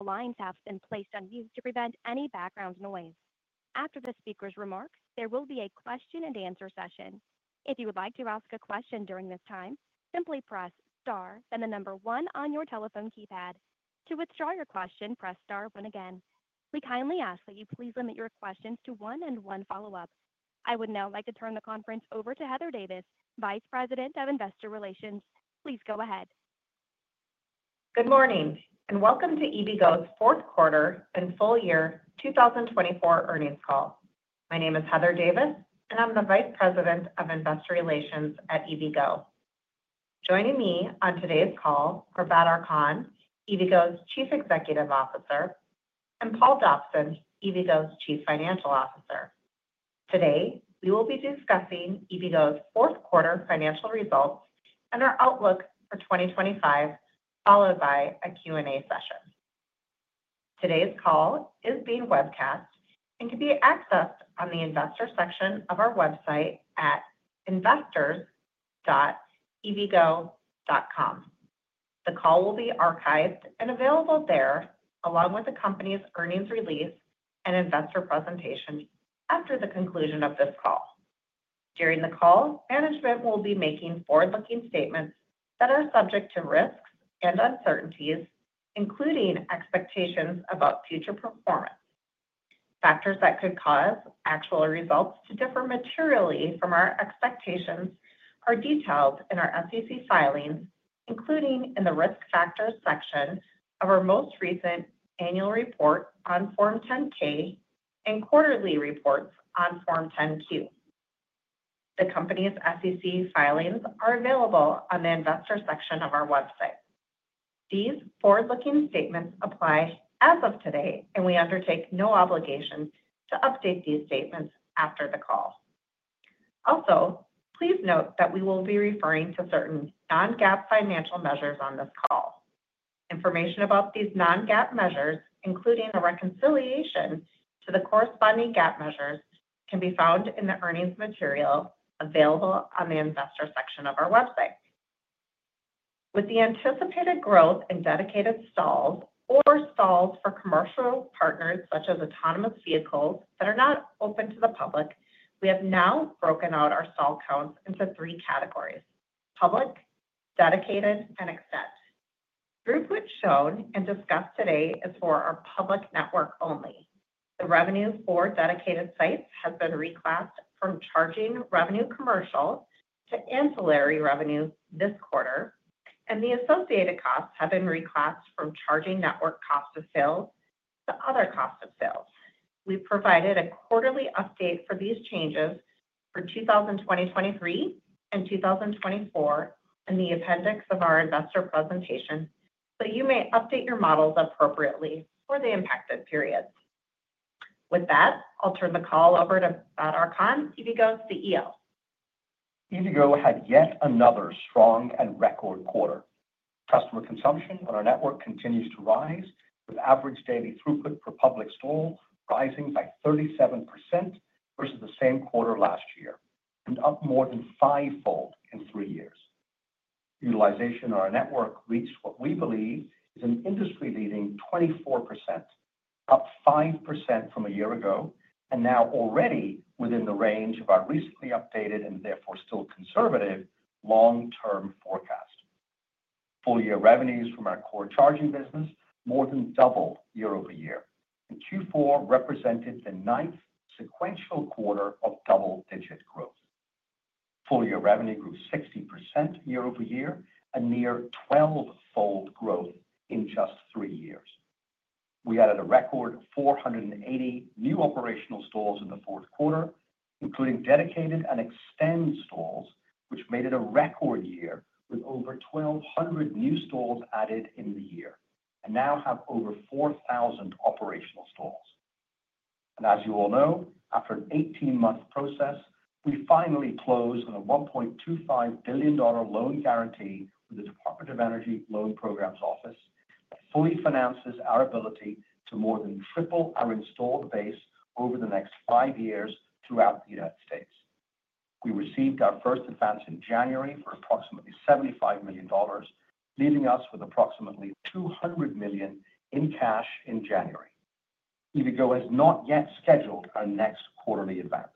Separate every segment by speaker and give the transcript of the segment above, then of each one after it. Speaker 1: The line has been placed on mute to prevent any background noise. After the speaker's remarks, there will be a question-and-answer session. If you would like to ask a question during this time, simply press star, then the number one on your telephone keypad. To withdraw your question, press star one again. We kindly ask that you please limit your questions to one and one follow-up. I would now like to turn the conference over to Heather Davis, Vice President of Investor Relations. Please go ahead.
Speaker 2: Good morning, and welcome to EVgo's fourth quarter and full year 2024 earnings call. My name is Heather Davis, and I'm the Vice President of Investor Relations at EVgo. Joining me on today's call are Badar Khan, EVgo's Chief Executive Officer, and Paul Dobson, EVgo's Chief Financial Officer. Today, we will be discussing EVgo's fourth quarter financial results and our outlook for 2025, followed by a Q&A session. Today's call is being webcast and can be accessed on the Investor section of our website at investors.evgo.com. The call will be archived and available there, along with the company's earnings release and investor presentation after the conclusion of this call. During the call, management will be making forward-looking statements that are subject to risks and uncertainties, including expectations about future performance. Factors that could cause actual results to differ materially from our expectations are detailed in our SEC filings, including in the risk factors section of our most recent annual report on Form 10-K and quarterly reports on Form 10-Q. The company's SEC filings are available on the Investor section of our website. These forward-looking statements apply as of today, and we undertake no obligation to update these statements after the call. Also, please note that we will be referring to certain non-GAAP financial measures on this call. Information about these non-GAAP measures, including a reconciliation to the corresponding GAAP measures, can be found in the earnings material available on the Investor section of our website. With the anticipated growth in dedicated stalls or stalls for commercial partners, such as autonomous vehicles that are not open to the public, we have now broken out our stall counts into three categories: public, dedicated, and eXtend. The group which is shown and discussed today is for our public network only. The revenues for dedicated sites have been reclassed from charging revenue commercial to ancillary revenue this quarter, and the associated costs have been reclassed from charging network cost of sales to other cost of sales. We've provided a quarterly update for these changes for 2020-2023 and 2024 in the appendix of our investor presentation, so you may update your models appropriately for the impacted periods. With that, I'll turn the call over to Badar Khan, EVgo CEO.
Speaker 3: EVgo had yet another strong and record quarter. Customer consumption on our network continues to rise, with average daily throughput per public stall rising by 37% versus the same quarter last year and up more than fivefold in three years. Utilization on our network reached what we believe is an industry-leading 24%, up 5% from a year ago, and now already within the range of our recently updated and therefore still conservative long-term forecast. Full-year revenues from our core charging business more than doubled year-over-year, and Q4 represented the ninth sequential quarter of double-digit growth. Full-year revenue grew 60% year-over-year, a near 12-fold growth in just three years. We added a record 480 new operational stalls in the fourth quarter, including dedicated and extended stalls, which made it a record year with over 1,200 new stalls added in the year and now have over 4,000 operational stalls. As you all know, after an 18-month process, we finally closed on a $1.25 billion loan guarantee with the Department of Energy Loan Programs Office that fully finances our ability to more than triple our installed base over the next five years throughout the United States. We received our first advance in January for approximately $75 million, leaving us with approximately $200 million in cash in January. EVgo has not yet scheduled our next quarterly advance.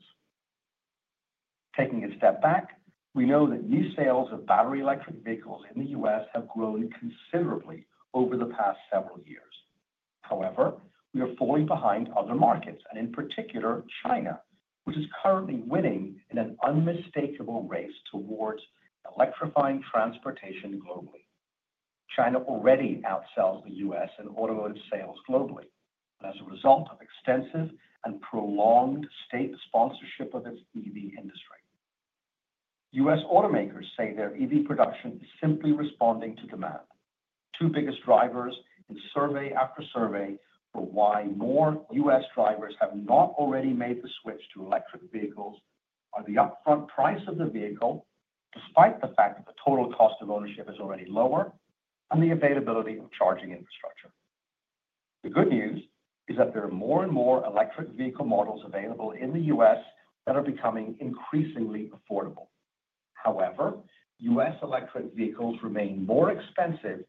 Speaker 3: Taking a step back, we know that new sales of battery electric vehicles in the U.S. have grown considerably over the past several years. However, we are falling behind other markets, and in particular, China, which is currently winning in an unmistakable race towards electrifying transportation globally. China already outsells the U.S. in automotive sales globally, as a result of extensive and prolonged state sponsorship of its EV industry. U.S. automakers say their EV production is simply responding to demand. Two biggest drivers, in survey after survey, for why more U.S. drivers have not already made the switch to electric vehicles are the upfront price of the vehicle, despite the fact that the total cost of ownership is already lower, and the availability of charging infrastructure. The good news is that there are more and more electric vehicle models available in the U.S. that are becoming increasingly affordable. However, U.S. electric vehicles remain more expensive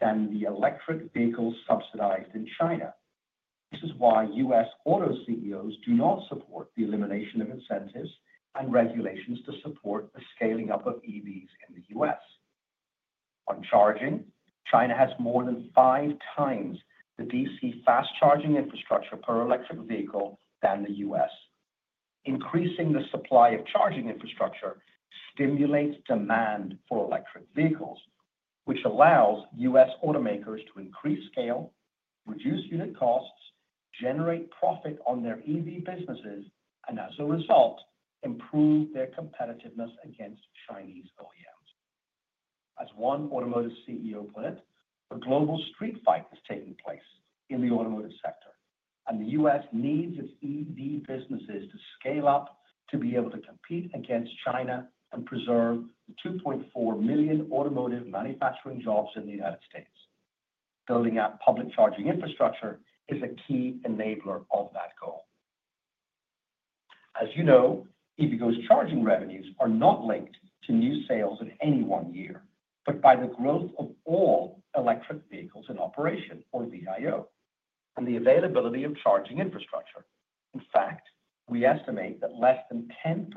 Speaker 3: than the electric vehicles subsidized in China. This is why U.S. Auto CEOs do not support the elimination of incentives and regulations to support the scaling up of EVs in the U.S. On charging, China has more than five times the DC fast charging infrastructure per electric vehicle than the U.S. Increasing the supply of charging infrastructure stimulates demand for electric vehicles, which allows U.S. automakers to increase scale, reduce unit costs, generate profit on their EV businesses, and as a result, improve their competitiveness against Chinese OEMs. As one automotive CEO put it, a global street fight is taking place in the automotive sector, and the U.S. needs its EV businesses to scale up to be able to compete against China and preserve the 2.4 million automotive manufacturing jobs in the United States. Building out public charging infrastructure is a key enabler of that goal. As you know, EVgo's charging revenues are not linked to new sales in any one year, but by the growth of all electric vehicles in operation, or VIO, and the availability of charging infrastructure. In fact, we estimate that less than 10%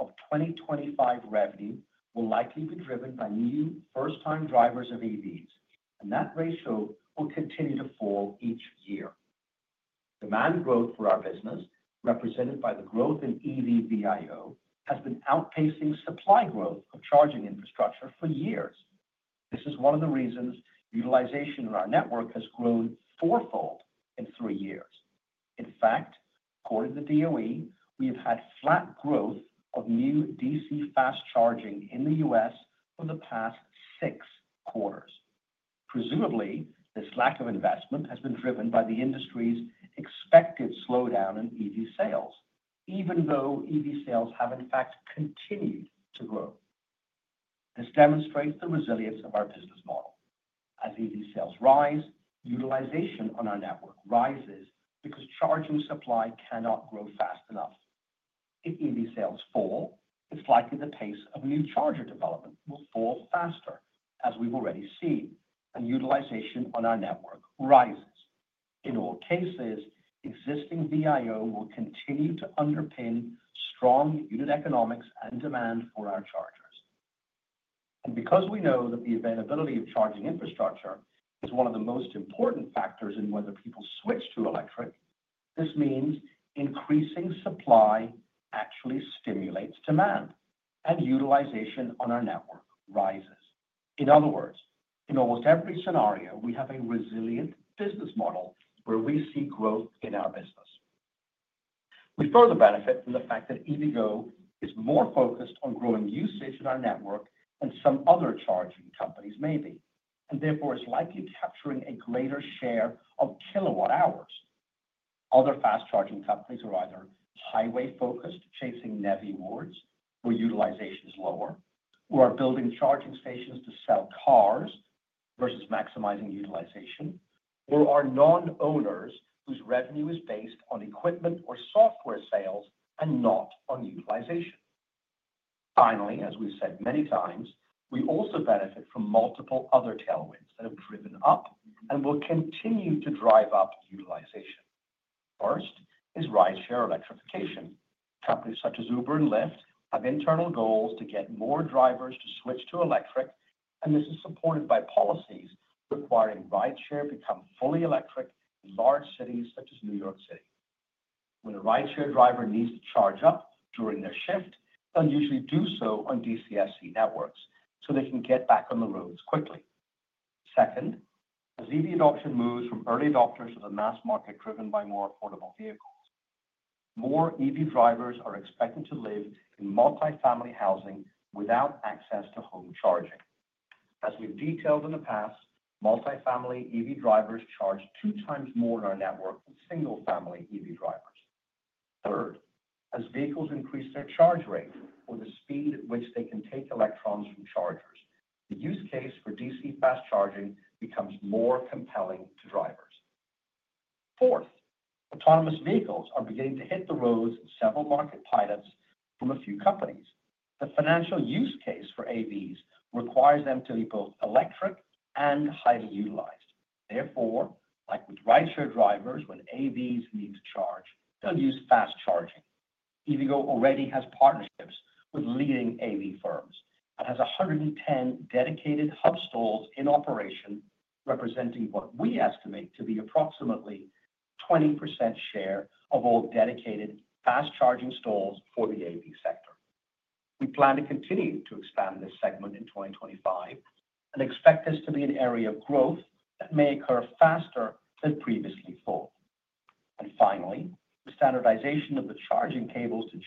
Speaker 3: of 2025 revenue will likely be driven by new first-time drivers of EVs, and that ratio will continue to fall each year. Demand growth for our business, represented by the growth in EV VIO, has been outpacing supply growth of charging infrastructure for years. This is one of the reasons utilization in our network has grown fourfold in three years. In fact, according to the DOE, we have had flat growth of new DC fast charging in the U.S. for the past six quarters. Presumably, this lack of investment has been driven by the industry's expected slowdown in EV sales, even though EV sales have, in fact, continued to grow. This demonstrates the resilience of our business model. As EV sales rise, utilization on our network rises because charging supply cannot grow fast enough. If EV sales fall, it's likely the pace of new charger development will fall faster, as we've already seen, and utilization on our network rises. In all cases, existing VIO will continue to underpin strong unit economics and demand for our chargers. Because we know that the availability of charging infrastructure is one of the most important factors in whether people switch to electric, this means increasing supply actually stimulates demand, and utilization on our network rises. In other words, in almost every scenario, we have a resilient business model where we see growth in our business. We further benefit from the fact that EVgo is more focused on growing usage in our network than some other charging companies may be, and therefore is likely capturing a greater share of kilowatt-hours. Other fast charging companies are either highway-focused, chasing NEVI awards, where utilization is lower, or are building charging stations to sell cars versus maximizing utilization, or are non-owners whose revenue is based on equipment or software sales and not on utilization. Finally, as we've said many times, we also benefit from multiple other tailwinds that have driven up and will continue to drive up utilization. First is rideshare electrification. Companies such as Uber and Lyft have internal goals to get more drivers to switch to electric, and this is supported by policies requiring rideshare to become fully electric in large cities such as New York City. When a rideshare driver needs to charge up during their shift, they'll usually do so on DC fast charging networks so they can get back on the roads quickly. Second, as EV adoption moves from early adopters to the mass market driven by more affordable vehicles, more EV drivers are expected to live in multifamily housing without access to home charging. As we've detailed in the past, multifamily EV drivers charge two times more in our network than single-family EV drivers. Third, as vehicles increase their charge rate or the speed at which they can take electrons from chargers, the use case for DC fast charging becomes more compelling to drivers. Fourth, autonomous vehicles are beginning to hit the roads in several market pilots from a few companies. The financial use case for AVs requires them to be both electric and highly utilized. Therefore, like with rideshare drivers, when AVs need to charge, they'll use fast charging. EVgo already has partnerships with leading AV firms and has 110 dedicated hub stalls in operation, representing what we estimate to be approximately 20% share of all dedicated fast charging stalls for the AV sector. We plan to continue to expand this segment in 2025 and expect this to be an area of growth that may occur faster than previously thought. Finally, the standardization of the charging cables to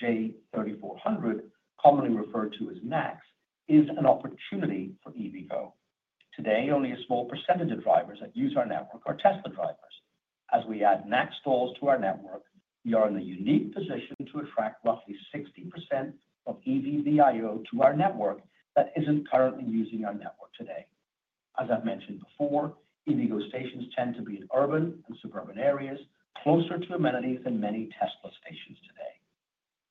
Speaker 3: J3400, commonly referred to as NACS, is an opportunity for EVgo. Today, only a small percentage of drivers that use our network are Tesla drivers. As we add NACS stalls to our network, we are in the unique position to attract roughly 60% of EV VIO to our network that isn't currently using our network today. As I've mentioned before, EVgo stations tend to be in urban and suburban areas, closer to amenities than many Tesla stations today.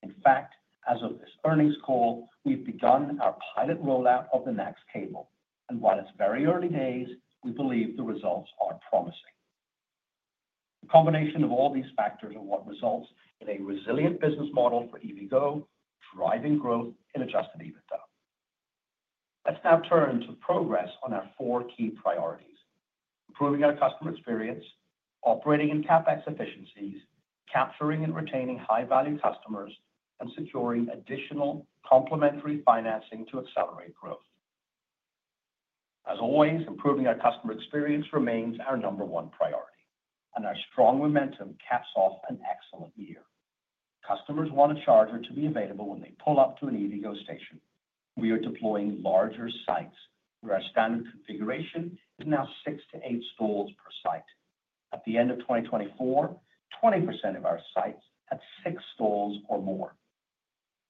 Speaker 3: In fact, as of this earnings call, we've begun our pilot rollout of the NACS cable, and while it's very early days, we believe the results are promising. The combination of all these factors is what results in a resilient business model for EVgo, driving growth in adjusted EBITDA. Let's now turn to progress on our four key priorities: improving our customer experience, operating in CapEx efficiencies, capturing and retaining high-value customers, and securing additional complementary financing to accelerate growth. As always, improving our customer experience remains our number one priority, and our strong momentum caps off an excellent year. Customers want a charger to be available when they pull up to an EVgo station. We are deploying larger sites where our standard configuration is now six to eight stalls per site. At the end of 2024, 20% of our sites had six stalls or more.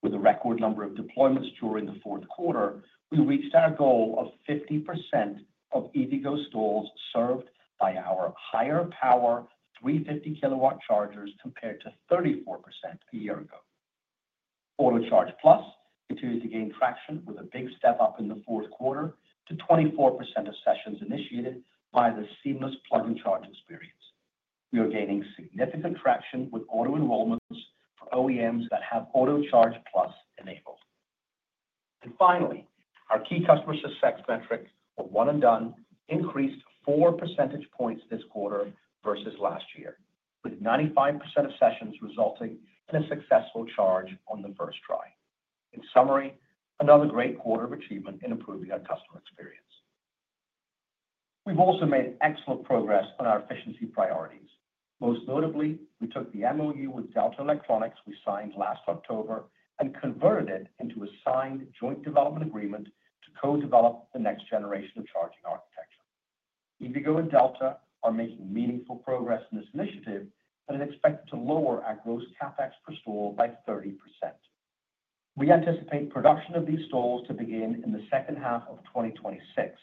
Speaker 3: With a record number of deployments during the fourth quarter, we reached our goal of 50% of EVgo stalls served by our higher power 350 kW chargers compared to 34% a year ago. AutoCharge Plus continues to gain traction with a big step up in the fourth quarter to 24% of sessions initiated by the seamless plug-and-charge experience. We are gaining significant traction with auto enrollments for OEMs that have AutoCharge Plus enabled. Finally, our key customer success metric of one and done increased four percentage points this quarter versus last year, with 95% of sessions resulting in a successful charge on the first try. In summary, another great quarter of achievement in improving our customer experience. We've also made excellent progress on our efficiency priorities. Most notably, we took the MOU with Delta Electronics we signed last October and converted it into a signed joint development agreement to co-develop the next generation of charging architecture. EVgo and Delta are making meaningful progress in this initiative and are expected to lower our gross CapEx per stall by 30%. We anticipate production of these stalls to begin in the second half of 2026,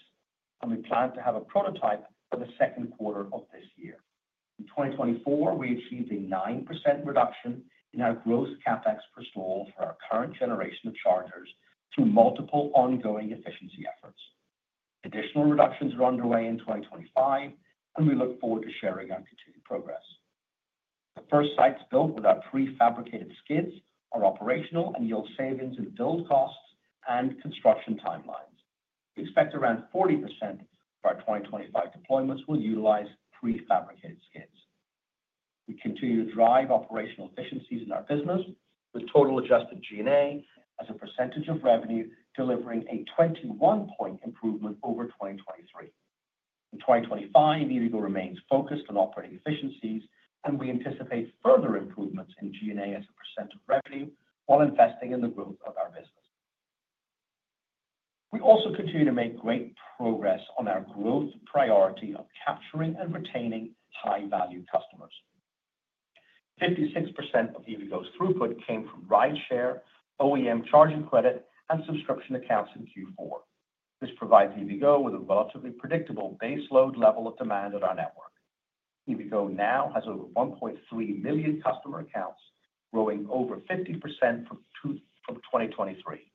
Speaker 3: and we plan to have a prototype for the second quarter of this year. In 2024, we achieved a 9% reduction in our gross CapEx per stall for our current generation of chargers through multiple ongoing efficiency efforts. Additional reductions are underway in 2025, and we look forward to sharing our continued progress. The first sites built with our prefabricated skids are operational and yield savings in build costs and construction timelines. We expect around 40% of our 2025 deployments will utilize prefabricated skids. We continue to drive operational efficiencies in our business, with total adjusted G&A as a percentage of revenue delivering a 21 percentage point improvement over 2023. In 2025, EVgo remains focused on operating efficiencies, and we anticipate further improvements in G&A as a percent of revenue while investing in the growth of our business. We also continue to make great progress on our growth priority of capturing and retaining high-value customers. 56% of EVgo's throughput came from rideshare, OEM charging credit, and subscription accounts in Q4. This provides EVgo with a relatively predictable baseload level of demand at our network. EVgo now has over 1.3 million customer accounts, growing over 50% from 2023.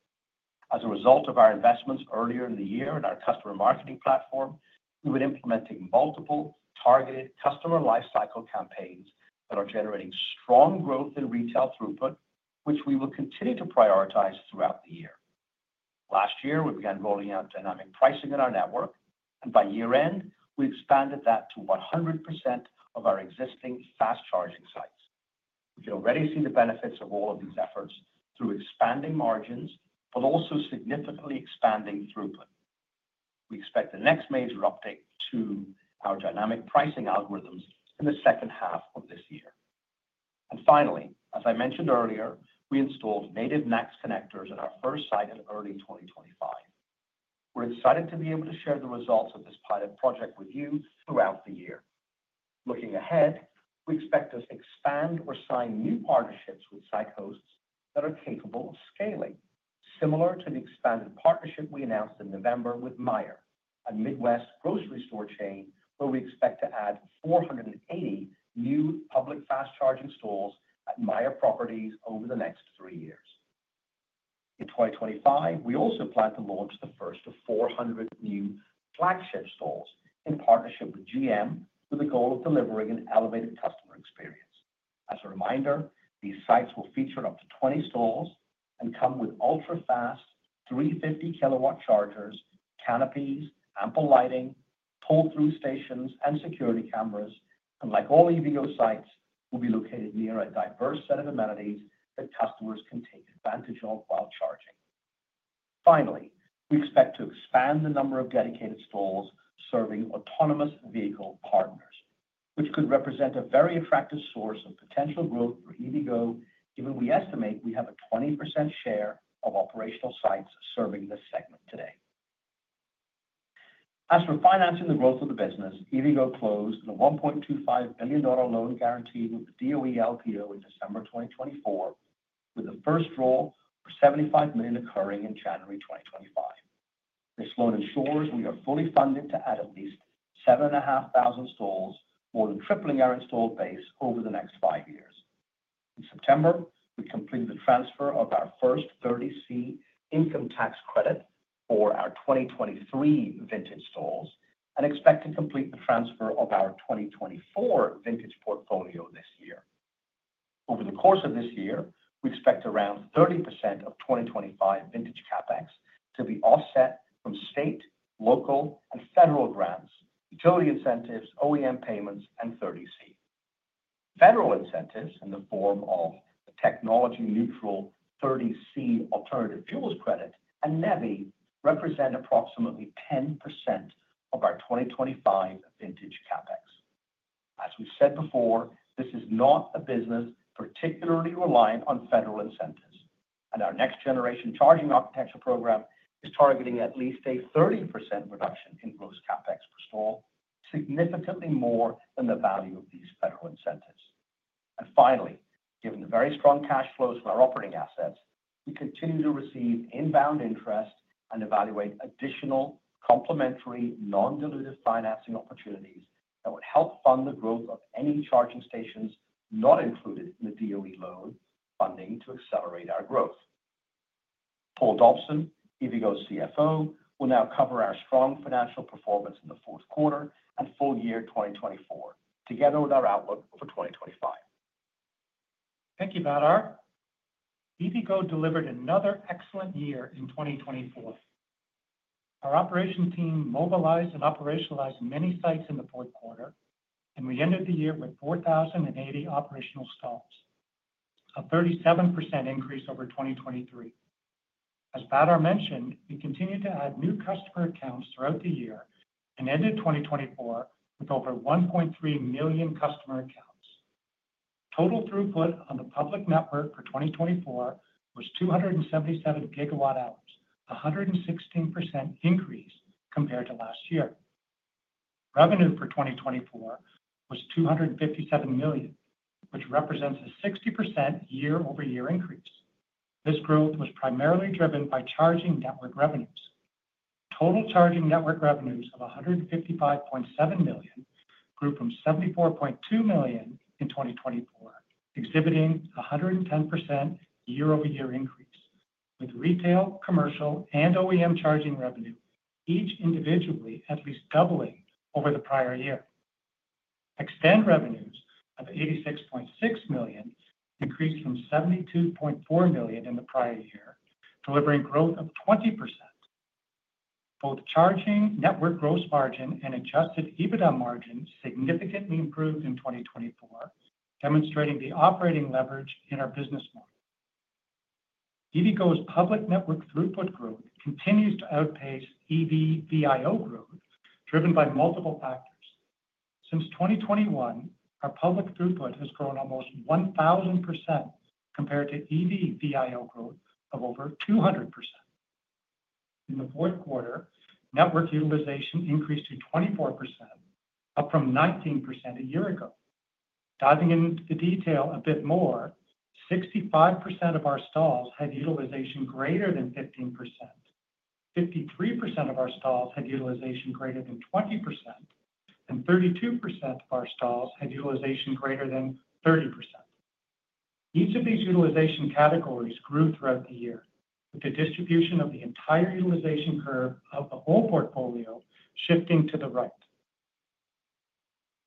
Speaker 3: As a result of our investments earlier in the year in our customer marketing platform, we've been implementing multiple targeted customer lifecycle campaigns that are generating strong growth in retail throughput, which we will continue to prioritize throughout the year. Last year, we began rolling out dynamic pricing in our network, and by year-end, we expanded that to 100% of our existing fast charging sites. We can already see the benefits of all of these efforts through expanding margins, but also significantly expanding throughput. We expect the next major update to our dynamic pricing algorithms in the second half of this year. Finally, as I mentioned earlier, we installed native NACS connectors at our first site in early 2025. We're excited to be able to share the results of this pilot project with you throughout the year. Looking ahead, we expect to expand or sign new partnerships with site hosts that are capable of scaling, similar to the expanded partnership we announced in November with Meijer, a Midwest grocery store chain where we expect to add 480 new public fast charging stalls at Meijer properties over the next three years. In 2025, we also plan to launch the first of 400 new flagship stalls in partnership with GM, with the goal of delivering an elevated customer experience. These sites will feature up to 20 stalls and come with ultra-fast 350 kW chargers, canopies, ample lighting, pull-through stations, and security cameras. Like all EVgo sites, we will be located near a diverse set of amenities that customers can take advantage of while charging. Finally, we expect to expand the number of dedicated stalls serving autonomous vehicle partners, which could represent a very attractive source of potential growth for EVgo, given we estimate we have a 20% share of operational sites serving this segment today. As for financing the growth of the business, EVgo closed a $1.25 billion loan guaranteed with the DOE LPO in December 2024, with the first draw for $75 million occurring in January 2025. This loan ensures we are fully funded to add at least 7,500 stalls, more than tripling our installed base over the next five years. In September, we completed the transfer of our first 30C income tax credit for our 2023 vintage stalls and expect to complete the transfer of our 2024 vintage portfolio this year. Over the course of this year, we expect around 30% of 2025 vintage CapEx to be offset from state, local, and federal grants, utility incentives, OEM payments, and 30C. Federal incentives in the form of the technology-neutral 30C alternative fuels credit and NEVI represent approximately 10% of our 2025 vintage CapEx. As we've said before, this is not a business particularly reliant on federal incentives, and our next generation charging architecture program is targeting at least a 30% reduction in gross CapEx per stall, significantly more than the value of these federal incentives. Finally, given the very strong cash flows from our operating assets, we continue to receive inbound interest and evaluate additional complementary non-dilutive financing opportunities that would help fund the growth of any charging stations not included in the DOE loan funding to accelerate our growth. Paul Dobson, EVgo CFO, will now cover our strong financial performance in the fourth quarter and full year 2024, together with our outlook for 2025.
Speaker 4: Thank you, Badar. EVgo delivered another excellent year in 2024. Our operations team mobilized and operationalized many sites in the fourth quarter, and we ended the year with 4,080 operational stalls, a 37% increase over 2023. As Badar mentioned, we continued to add new customer accounts throughout the year and ended 2024 with over 1.3 million customer accounts. Total throughput on the public network for 2024 was 277 gigawatt hours, a 116% increase compared to last year. Revenue for 2024 was $257 million, which represents a 60% year-over-year increase. This growth was primarily driven by charging network revenues. Total charging network revenues of $155.7 million grew from $74.2 million in 2024, exhibiting a 110% year-over-year increase, with retail, commercial, and OEM charging revenue each individually at least doubling over the prior year. eXtend revenues of $86.6 million increased from $72.4 million in the prior year, delivering growth of 20%. Both charging network gross margin and adjusted EBITDA margin significantly improved in 2024, demonstrating the operating leverage in our business model. EVgo's public network throughput growth continues to outpace EV VIO growth, driven by multiple factors. Since 2021, our public throughput has grown almost 1,000% compared to EV VIO growth of over 200%. In the fourth quarter, network utilization increased to 24%, up from 19% a year ago. Diving into the detail a bit more, 65% of our stalls had utilization greater than 15%, 53% of our stalls had utilization greater than 20%, and 32% of our stalls had utilization greater than 30%. Each of these utilization categories grew throughout the year, with the distribution of the entire utilization curve of the whole portfolio shifting to the right.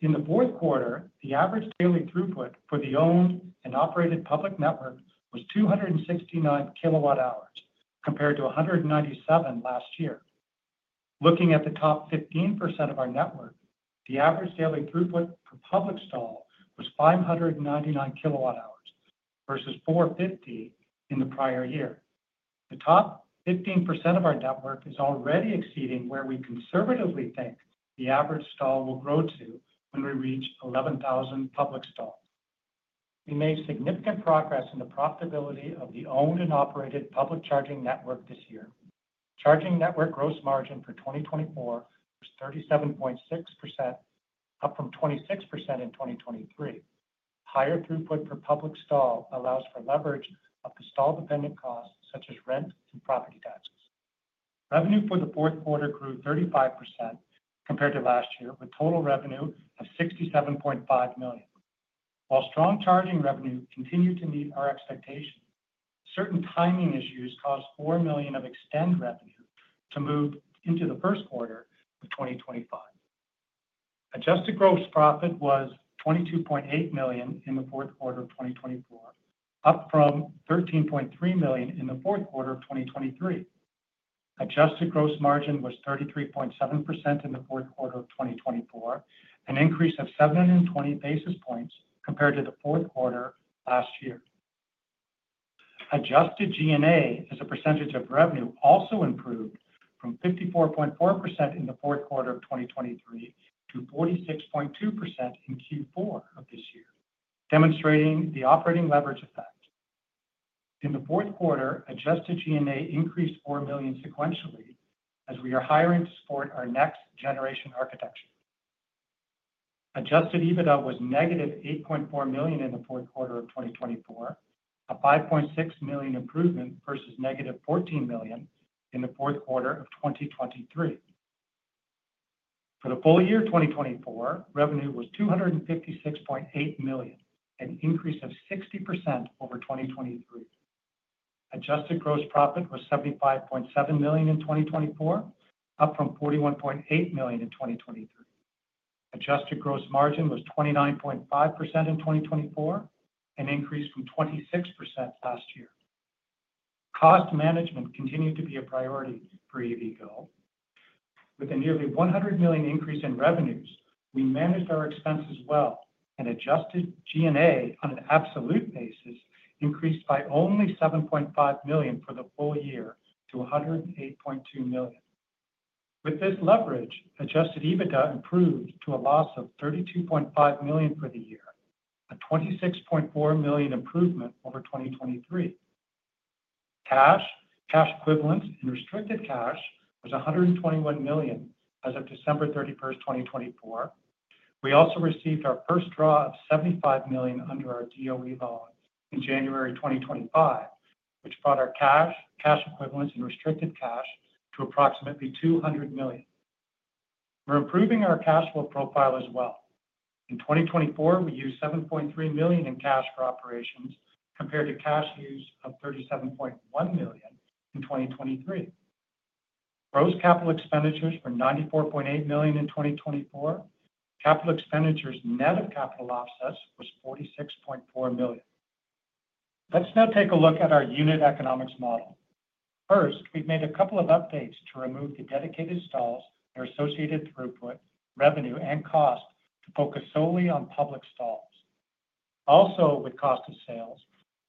Speaker 4: In the fourth quarter, the average daily throughput for the owned and operated public network was 269 kilowatt hours, compared to 197 last year. Looking at the top 15% of our network, the average daily throughput for public stall was 599 kilowatt hours versus 450 in the prior year. The top 15% of our network is already exceeding where we conservatively think the average stall will grow to when we reach 11,000 public stalls. We made significant progress in the profitability of the owned and operated public charging network this year. Charging network gross margin for 2024 was 37.6%, up from 26% in 2023. Higher throughput for public stall allows for leverage of the stall-dependent costs, such as rent and property taxes. Revenue for the fourth quarter grew 35% compared to last year, with total revenue of $67.5 million. While strong charging revenue continued to meet our expectations, certain timing issues caused $4 million of eXtend revenue to move into the first quarter of 2025. Adjusted gross profit was $22.8 million in the fourth quarter of 2024, up from $13.3 million in the fourth quarter of 2023. Adjusted gross margin was 33.7% in the fourth quarter of 2024, an increase of 720 basis points compared to the fourth quarter last year.
Speaker 3: Adjusted G&A as a percentage of revenue also improved from 54.4% in the fourth quarter of 2023 to 46.2% in Q4 of this year, demonstrating the operating leverage effect. In the fourth quarter, adjusted G&A increased $4 million sequentially as we are hiring to support our next generation architecture. Adjusted EBITDA was negative $8.4 million in the fourth quarter of 2024, a $5.6 million improvement versus negative $14 million in the fourth quarter of 2023. For the full year 2024, revenue was $256.8 million, an increase of 60% over 2023. Adjusted gross profit was $75.7 million in 2024, up from $41.8 million in 2023. Adjusted gross margin was 29.5% in 2024, an increase from 26% last year. Cost management continued to be a priority for EVgo. With a nearly $100 million increase in revenues, we managed our expenses well and adjusted G&A on an absolute basis, increased by only $7.5 million for the full year to $108.2 million. With this leverage, adjusted EBITDA improved to a loss of $32.5 million for the year, a $26.4 million improvement over 2023. Cash, cash equivalents, and restricted cash was $121 million as of December 31, 2024. We also received our first draw of $75 million under our DOE loan in January 2025, which brought our cash, cash equivalents, and restricted cash to approximately $200 million. We're improving our cash flow profile as well. In 2024, we used $7.3 million in cash for operations compared to cash use of $37.1 million in 2023. Gross capital expenditures were $94.8 million in 2024. Capital expenditures net of capital offsets was $46.4 million. Let's now take a look at our unit economics model. First, we've made a couple of updates to remove the dedicated stalls and associated throughput, revenue, and cost to focus solely on public stalls. Also, with cost of sales,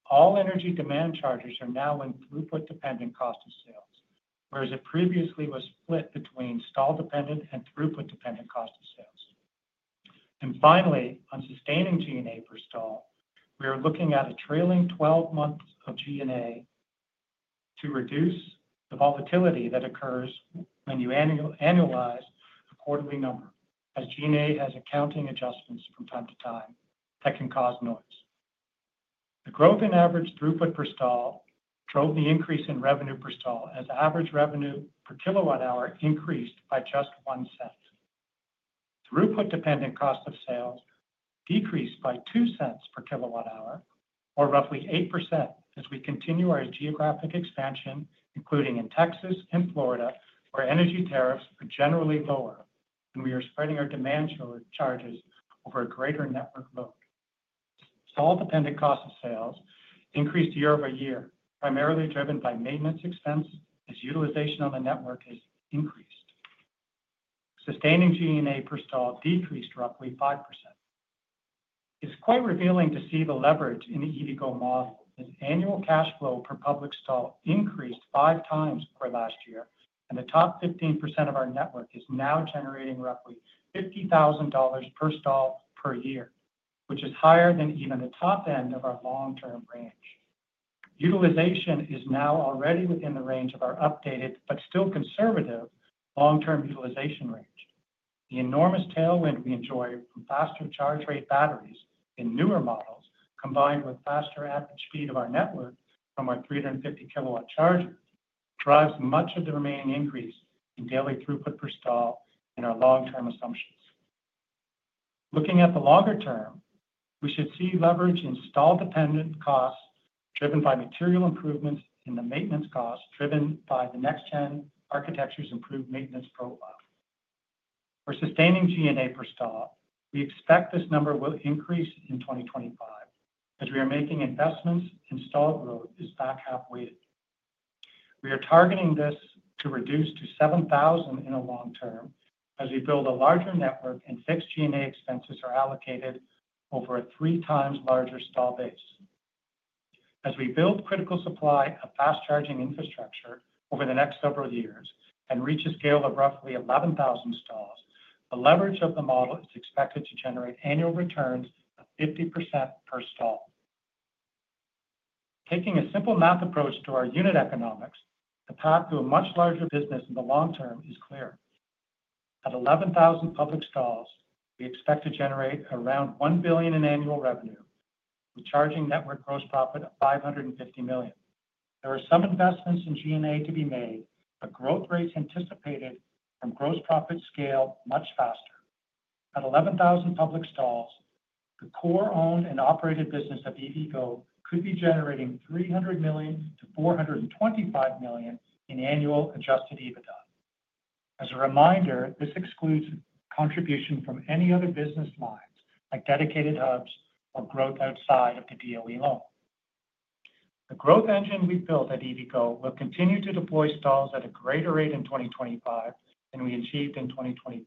Speaker 3: all energy demand charges are now in throughput-dependent cost of sales, whereas it previously was split between stall-dependent and throughput-dependent cost of sales. Finally, on sustaining G&A per stall, we are looking at a trailing 12 months of G&A to reduce the volatility that occurs when you annualize a quarterly number, as G&A has accounting adjustments from time to time that can cause noise. The growth in average throughput per stall drove the increase in revenue per stall as average revenue per kilowatt hour increased by just one cent. Throughput-dependent cost of sales decreased by two cents per kilowatt hour, or roughly 8%, as we continue our geographic expansion, including in Texas and Florida, where energy tariffs are generally lower, and we are spreading our demand charges over a greater network load. Stall-dependent cost of sales increased year over year, primarily driven by maintenance expenses as utilization on the network has increased. Sustaining G&A per stall decreased roughly 5%. It's quite revealing to see the leverage in the EVgo model. Annual cash flow per public stall increased five times over last year, and the top 15% of our network is now generating roughly $50,000 per stall per year, which is higher than even the top end of our long-term range. Utilization is now already within the range of our updated but still conservative long-term utilization range. The enormous tailwind we enjoy from faster charge rate batteries in newer models, combined with faster average speed of our network from our 350 kW charger, drives much of the remaining increase in daily throughput per stall in our long-term assumptions. Looking at the longer term, we should see leverage in stall-dependent costs driven by material improvements and the maintenance costs driven by the NextGen architecture's improved maintenance profile. For sustaining G&A per stall, we expect this number will increase in 2025, as we are making investments and stall growth is back halfway. We are targeting this to reduce to $7,000 in the long term as we build a larger network and fixed G&A expenses are allocated over a three times larger stall base. As we build critical supply of fast charging infrastructure over the next several years and reach a scale of roughly 11,000 stalls, the leverage of the model is expected to generate annual returns of 50% per stall. Taking a simple math approach to our unit economics, the path to a much larger business in the long term is clear. At 11,000 public stalls, we expect to generate around $1 billion in annual revenue, with charging network gross profit of $550 million. There are some investments in G&A to be made, but growth rates anticipated from gross profit scale much faster. At 11,000 public stalls, the core owned and operated business of EVgo could be generating $300 million-$425 million in annual adjusted EBITDA. As a reminder, this excludes contribution from any other business lines like dedicated hubs or growth outside of the DOE loan. The growth engine we've built at EVgo will continue to deploy stalls at a greater rate in 2025 than we achieved in 2024.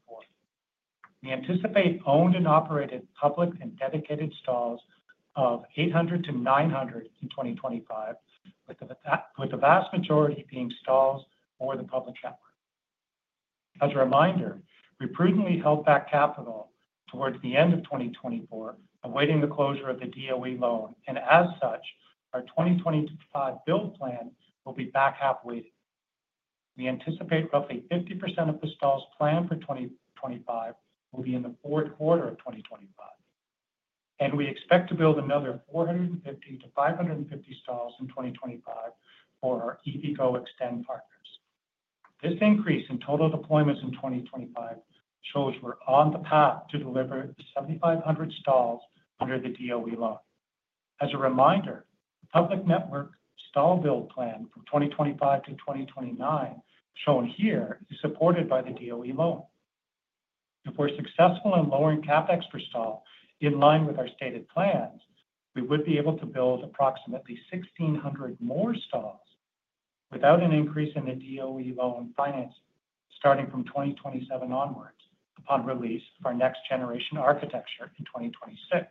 Speaker 3: We anticipate owned and operated public and dedicated stalls of 800-900 in 2025, with the vast majority being stalls for the public network. As a reminder, we prudently held back capital towards the end of 2024, awaiting the closure of the DOE loan, and as such, our 2025 build plan will be back halfway. We anticipate roughly 50% of the stalls planned for 2025 will be in the fourth quarter of 2025, and we expect to build another 450-550 stalls in 2025 for our EVgo eXtend partners. This increase in total deployments in 2025 shows we're on the path to deliver the 7,500 stalls under the DOE loan. As a reminder, the public network stall build plan from 2025-2029 shown here is supported by the DOE loan. If we're successful in lowering CapEx per stall in line with our stated plans, we would be able to build approximately 1,600 more stalls without an increase in the DOE loan financing starting from 2027 onwards upon release of our next generation architecture in 2026.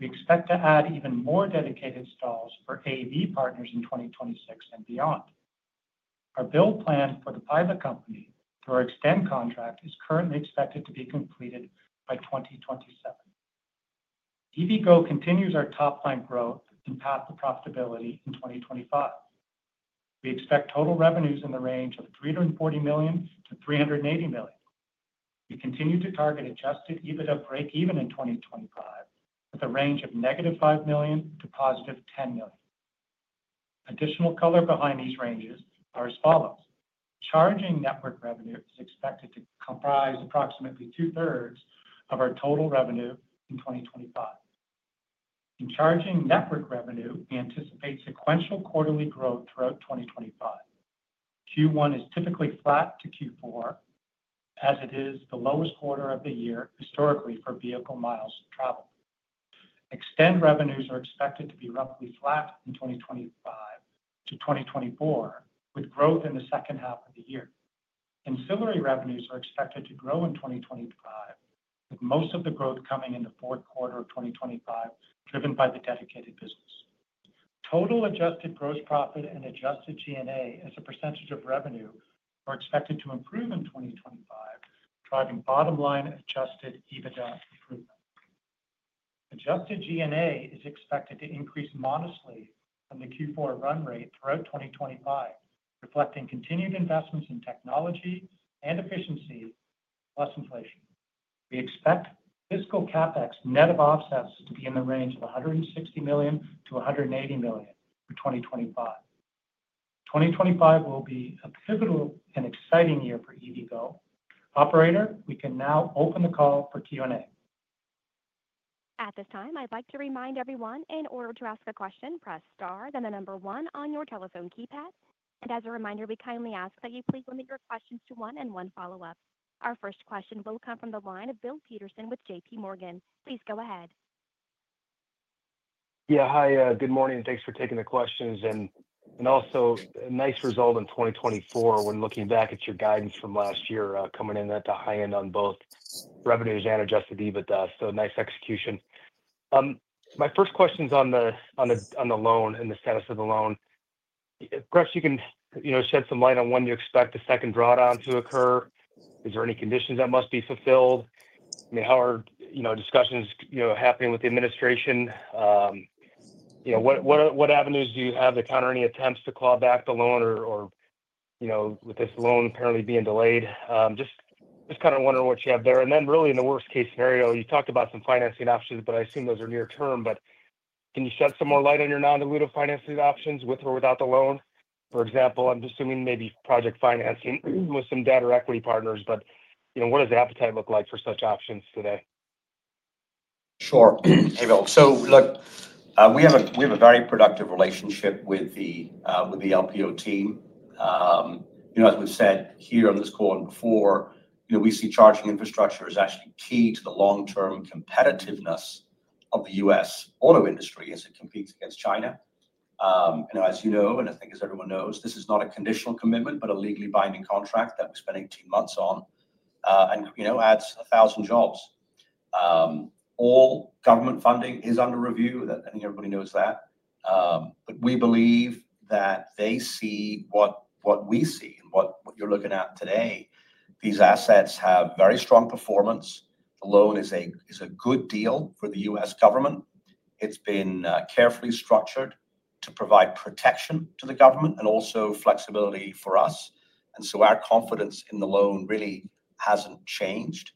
Speaker 3: We expect to add even more dedicated stalls for AV partners in 2026 and beyond. Our build plan for the private company through our eXtend contract is currently expected to be completed by 2027. EVgo continues our top line growth and path to profitability in 2025. We expect total revenues in the range of $340 million-$380 million. We continue to target adjusted EBITDA break-even in 2025, with a range of negative $5 million to positive $10 million. Additional color behind these ranges are as follows. Charging network revenue is expected to comprise approximately two-thirds of our total revenue in 2025. In charging network revenue, we anticipate sequential quarterly growth throughout 2025. Q1 is typically flat to Q4, as it is the lowest quarter of the year historically for vehicle miles traveled. eXtend revenues are expected to be roughly flat in 2025-2024, with growth in the second half of the year. Ancillary revenues are expected to grow in 2025, with most of the growth coming in the fourth quarter of 2025, driven by the dedicated business. Total adjusted gross profit and adjusted G&A as a percentage of revenue are expected to improve in 2025, driving bottom-line adjusted EBITDA improvement. Adjusted G&A is expected to increase modestly from the Q4 run rate throughout 2025, reflecting continued investments in technology and efficiency plus inflation. We expect fiscal CapEx net of offsets to be in the range of $160 million-$180 million for 2025. 2025 will be a pivotal and exciting year for EVgo. Operator, we can now open the call for Q&A.
Speaker 1: At this time, I'd like to remind everyone, in order to ask a question, press star, then the number one on your telephone keypad. As a reminder, we kindly ask that you please limit your questions to one and one follow-up. Our first question will come from the line of Bill Peterson with JP Morgan. Please go ahead.
Speaker 5: Yeah, hi. Good morning, and thanks for taking the questions. Also, a nice result in 2024 when looking back at your guidance from last year, coming in at the high end on both revenues and adjusted EBITDA. Nice execution. My first question's on the loan and the status of the loan. Perhaps you can shed some light on when you expect the second drawdown to occur. Is there any conditions that must be fulfilled? I mean, how are discussions happening with the administration? What avenues do you have to counter any attempts to claw back the loan or with this loan apparently being delayed? Just kind of wondering what you have there. In the worst-case scenario, you talked about some financing options, but I assume those are near-term. Can you shed some more light on your non-dilutive financing options with or without the loan? For example, I'm assuming maybe project financing with some debt or equity partners. What does appetite look like for such options today?
Speaker 3: Sure. Hey, Bill. We have a very productive relationship with the LPO team. As we've said here on this call and before, we see charging infrastructure as actually key to the long-term competitiveness of the US auto industry as it competes against China. As you know, and I think as everyone knows, this is not a conditional commitment, but a legally binding contract that we spent 18 months on and adds 1,000 jobs. All government funding is under review. I think everybody knows that. We believe that they see what we see and what you're looking at today. These assets have very strong performance. The loan is a good deal for the US government. It's been carefully structured to provide protection to the government and also flexibility for us. Our confidence in the loan really hasn't changed.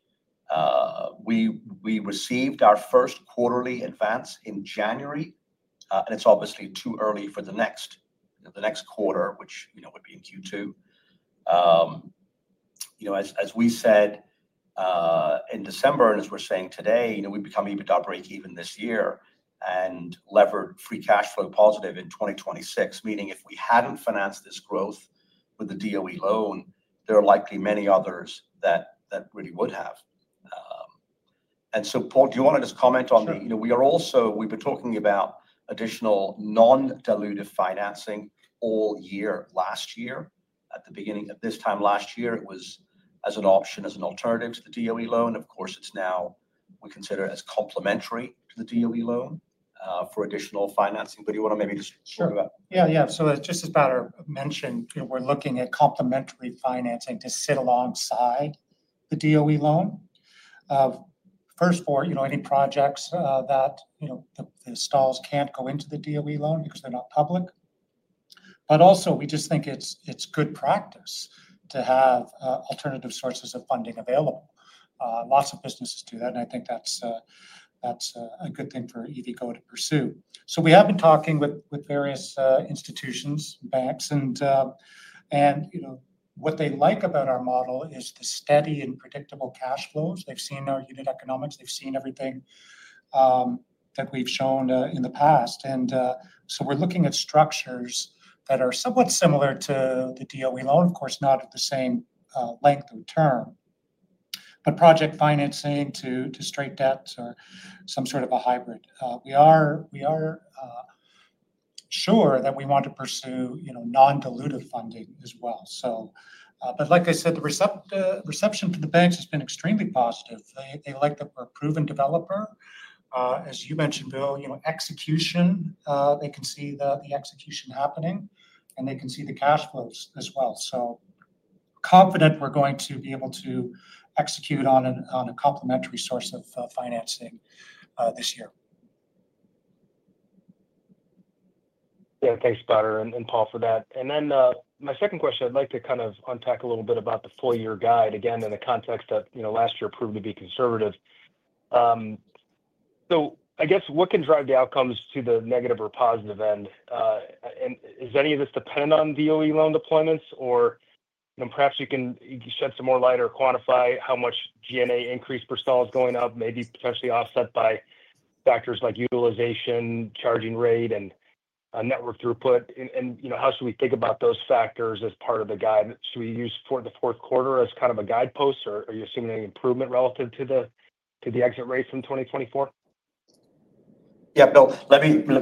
Speaker 3: We received our first quarterly advance in January, and it's obviously too early for the next quarter, which would be in Q2. As we said in December, and as we're saying today, we become EBITDA break-even this year and levered free cash flow positive in 2026, meaning if we hadn't financed this growth with the DOE loan, there are likely many others that really would have. Paul, do you want to just comment on the—we are also—we've been talking about additional non-dilutive financing all year-last-year. At the beginning of this time last year, it was as an option, as an alternative to the DOE loan. Of course, now we consider it as complementary to the DOE loan for additional financing. Do you want to maybe just talk about—
Speaker 4: Yeah, yeah. Just as Badar mentioned, we're looking at complementary financing to sit alongside the DOE loan. First, for any projects that the stalls can't go into the DOE loan because they're not public. We just think it's good practice to have alternative sources of funding available. Lots of businesses do that, and I think that's a good thing for EVgo to pursue. We have been talking with various institutions, banks, and what they like about our model is the steady and predictable cash flows. They've seen our unit economics. They've seen everything that we've shown in the past. We are looking at structures that are somewhat similar to the DOE loan, of course, not at the same length of term, but project financing to straight debts or some sort of a hybrid. We are sure that we want to pursue non-dilutive funding as well. Like I said, the reception from the banks has been extremely positive. They like that we're a proven developer. As you mentioned, Bill, execution, they can see the execution happening, and they can see the cash flows as well. Confident we're going to be able to execute on a complementary source of financing this year.
Speaker 5: Yeah, thanks, Badar and Paul, for that. My second question, I'd like to kind of unpack a little bit about the four-year guide again in the context of last year proved to be conservative. I guess what can drive the outcomes to the negative or positive end? Is any of this dependent on DOE loan deployments? Perhaps you can shed some more light or quantify how much G&A increase per stall is going up, maybe potentially offset by factors like utilization, charging rate, and network throughput. How should we think about those factors as part of the guide? Should we use the fourth quarter as kind of a guidepost, or are you assuming any improvement relative to the exit rate from 2024? Yeah, Bill.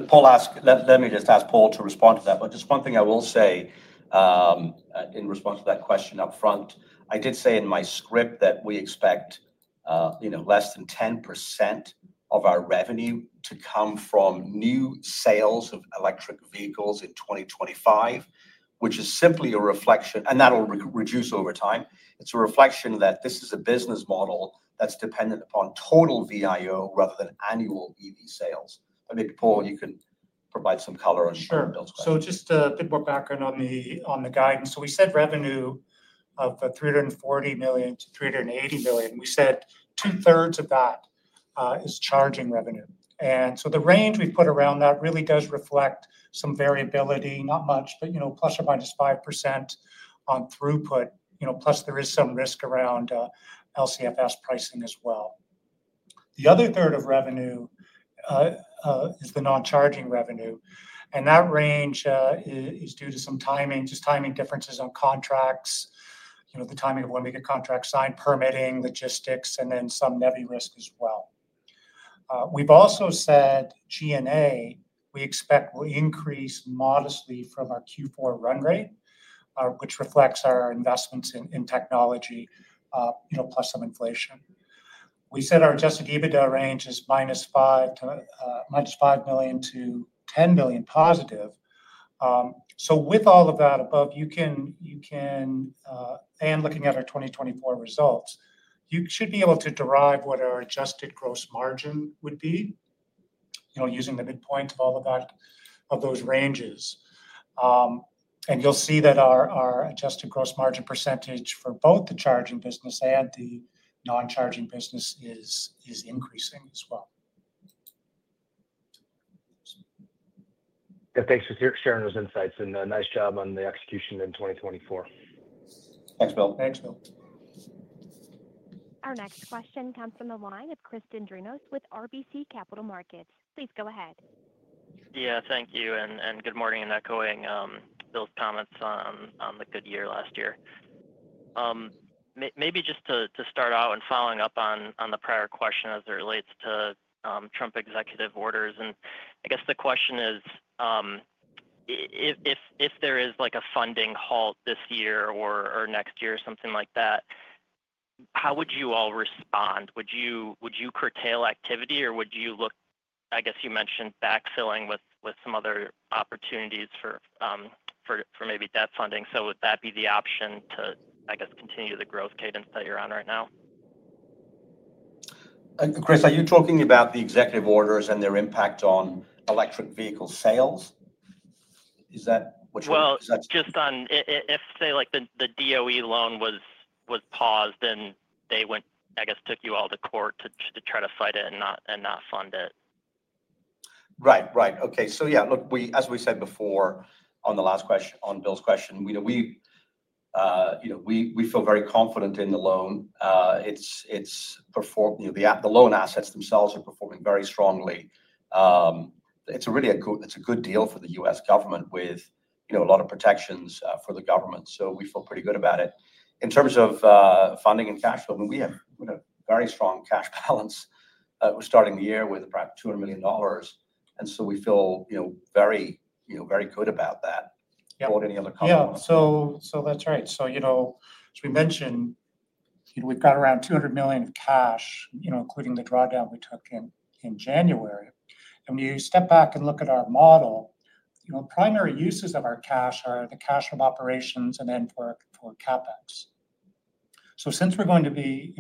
Speaker 5: Paul, let me just ask Paul to respond to that. Just one thing I will say in response to that question upfront. I did say in my script that we expect less than 10% of our revenue to come from new sales of electric vehicles in 2025, which is simply a reflection, and that will reduce over time. It's a reflection that this is a business model that's dependent upon total VIO rather than annual EV sales. Maybe, Paul, you can provide some color on those questions.
Speaker 4: Sure. Just a bit more background on the guidance. We said revenue of $340 million-$380 million. We said two-thirds of that is charging revenue. The range we've put around that really does reflect some variability, not much, but plus or minus 5% on throughput, plus there is some risk around LCFS pricing as well. The other third of revenue is the non-charging revenue. That range is due to some timing, just timing differences on contracts, the timing of when we get contracts signed, permitting, logistics, and then some heavy risk as well. We've also said G&A we expect will increase modestly from our Q4 run rate, which reflects our investments in technology, plus some inflation. We said our adjusted EBITDA range is minus $5 million to $10 million positive. With all of that above, you can, and looking at our 2024 results, you should be able to derive what our adjusted gross margin would be using the midpoint of all of those ranges. You'll see that our adjusted gross margin % for both the charging business and the non-charging business is increasing as well.
Speaker 5: Yeah, thanks for sharing those insights, and nice job on the execution in 2024.
Speaker 3: Thanks, Bill.
Speaker 4: Thanks, Bill.
Speaker 1: Our next question comes from the line of Chris Dendrinos with RBC Capital Markets. Please go ahead.
Speaker 6: Yeah, thank you. Good morning and echoing Bill's comments on the good year-last-year. Maybe just to start out and following up on the prior question as it relates to Trump executive orders. I guess the question is, if there is a funding halt this year or next year or something like that, how would you all respond? Would you curtail activity, or would you look—I guess you mentioned backfilling with some other opportunities for maybe debt funding. Would that be the option to, I guess, continue the growth cadence that you're on right now?
Speaker 3: Chris, are you talking about the executive orders and their impact on electric vehicle sales? Is that what you're—
Speaker 6: Just on if, say, the DOE loan was paused and they went, I guess, took you all to court to try to fight it and not fund it.
Speaker 3: Right, right. Okay. As we said before on Bill's question, we feel very confident in the loan. The loan assets themselves are performing very strongly. It's a good deal for the U.S. government with a lot of protections for the government. We feel pretty good about it. In terms of funding and cash flow, we have a very strong cash balance. We're starting the year with about $200 million. We feel very good about that. About any other company.
Speaker 4: Yeah. That's right. As we mentioned, we've got around $200 million of cash, including the drawdown we took in January. When you step back and look at our model, primary uses of our cash are the cash from operations and then for CapEx. Since we're going to be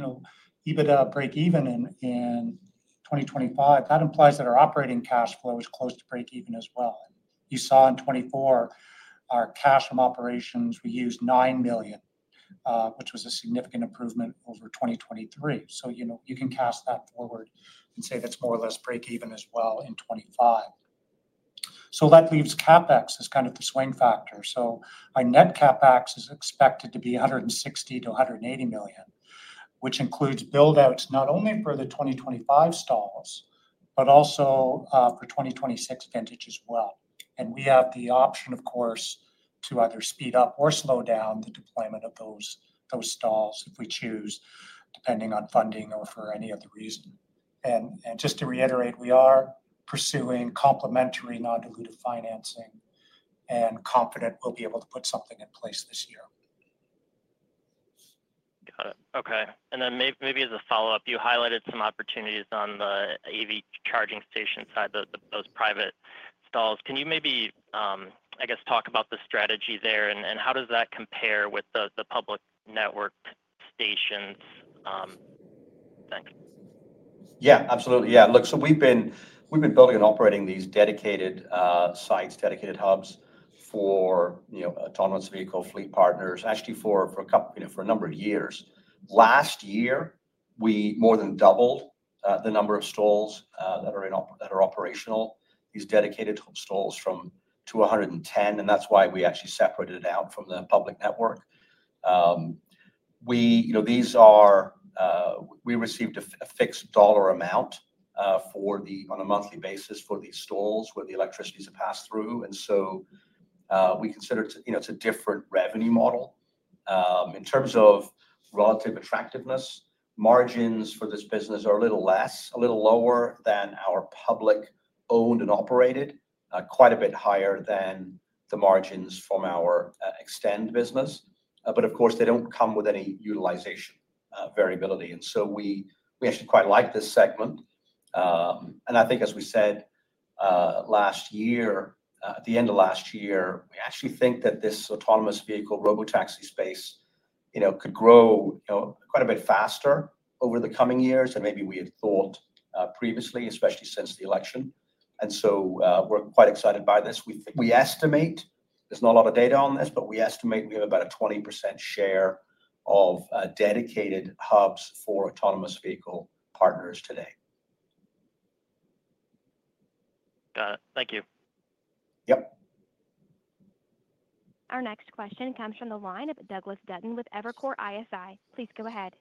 Speaker 4: EBITDA break-even in 2025, that implies that our operating cash flow is close to break-even as well. You saw in 2024, our cash from operations, we used $9 million, which was a significant improvement over 2023. You can cast that forward and say that's more or less break-even as well in 2025. That leaves CapEx as kind of the swing factor. Our net CapEx is expected to be $160 million-$180 million, which includes buildouts not only for the 2025 stalls, but also for 2026 vintage as well. We have the option, of course, to either speed up or slow down the deployment of those stalls if we choose, depending on funding or for any other reason. Just to reiterate, we are pursuing complementary non-dilutive financing and confident we'll be able to put something in place this year.
Speaker 6: Got it. Okay. Maybe as a follow-up, you highlighted some opportunities on the EV charging station side, those private stalls. Can you maybe, I guess, talk about the strategy there and how does that compare with the public network stations?
Speaker 3: Thanks. Yeah, absolutely. Yeah. Look, we've been building and operating these dedicated sites, dedicated hubs for autonomous vehicle fleet partners, actually for a number of years. Last year, we more than doubled the number of stalls that are operational, these dedicated stalls from 210, and that's why we actually separated it out from the public network. These are—we received a fixed dollar amount on a monthly basis for these stalls where the electricity is passed through. We consider it's a different revenue model. In terms of relative attractiveness, margins for this business are a little less, a little lower than our public-owned and operated, quite a bit higher than the margins from our eXtend business. Of course, they don't come with any utilization variability. We actually quite like this segment. I think, as we said last year, at the end of last year, we actually think that this autonomous vehicle robotaxi space could grow quite a bit faster over the coming years than maybe we had thought previously, especially since the election. We are quite excited by this. We estimate—there is not a lot of data on this, but we estimate we have about a 20% share of dedicated hubs for autonomous vehicle partners today.
Speaker 6: Got it. Thank you.
Speaker 3: Yep.
Speaker 1: Our next question comes from the line of Douglas Dutton with Evercore ISI. Please go ahead.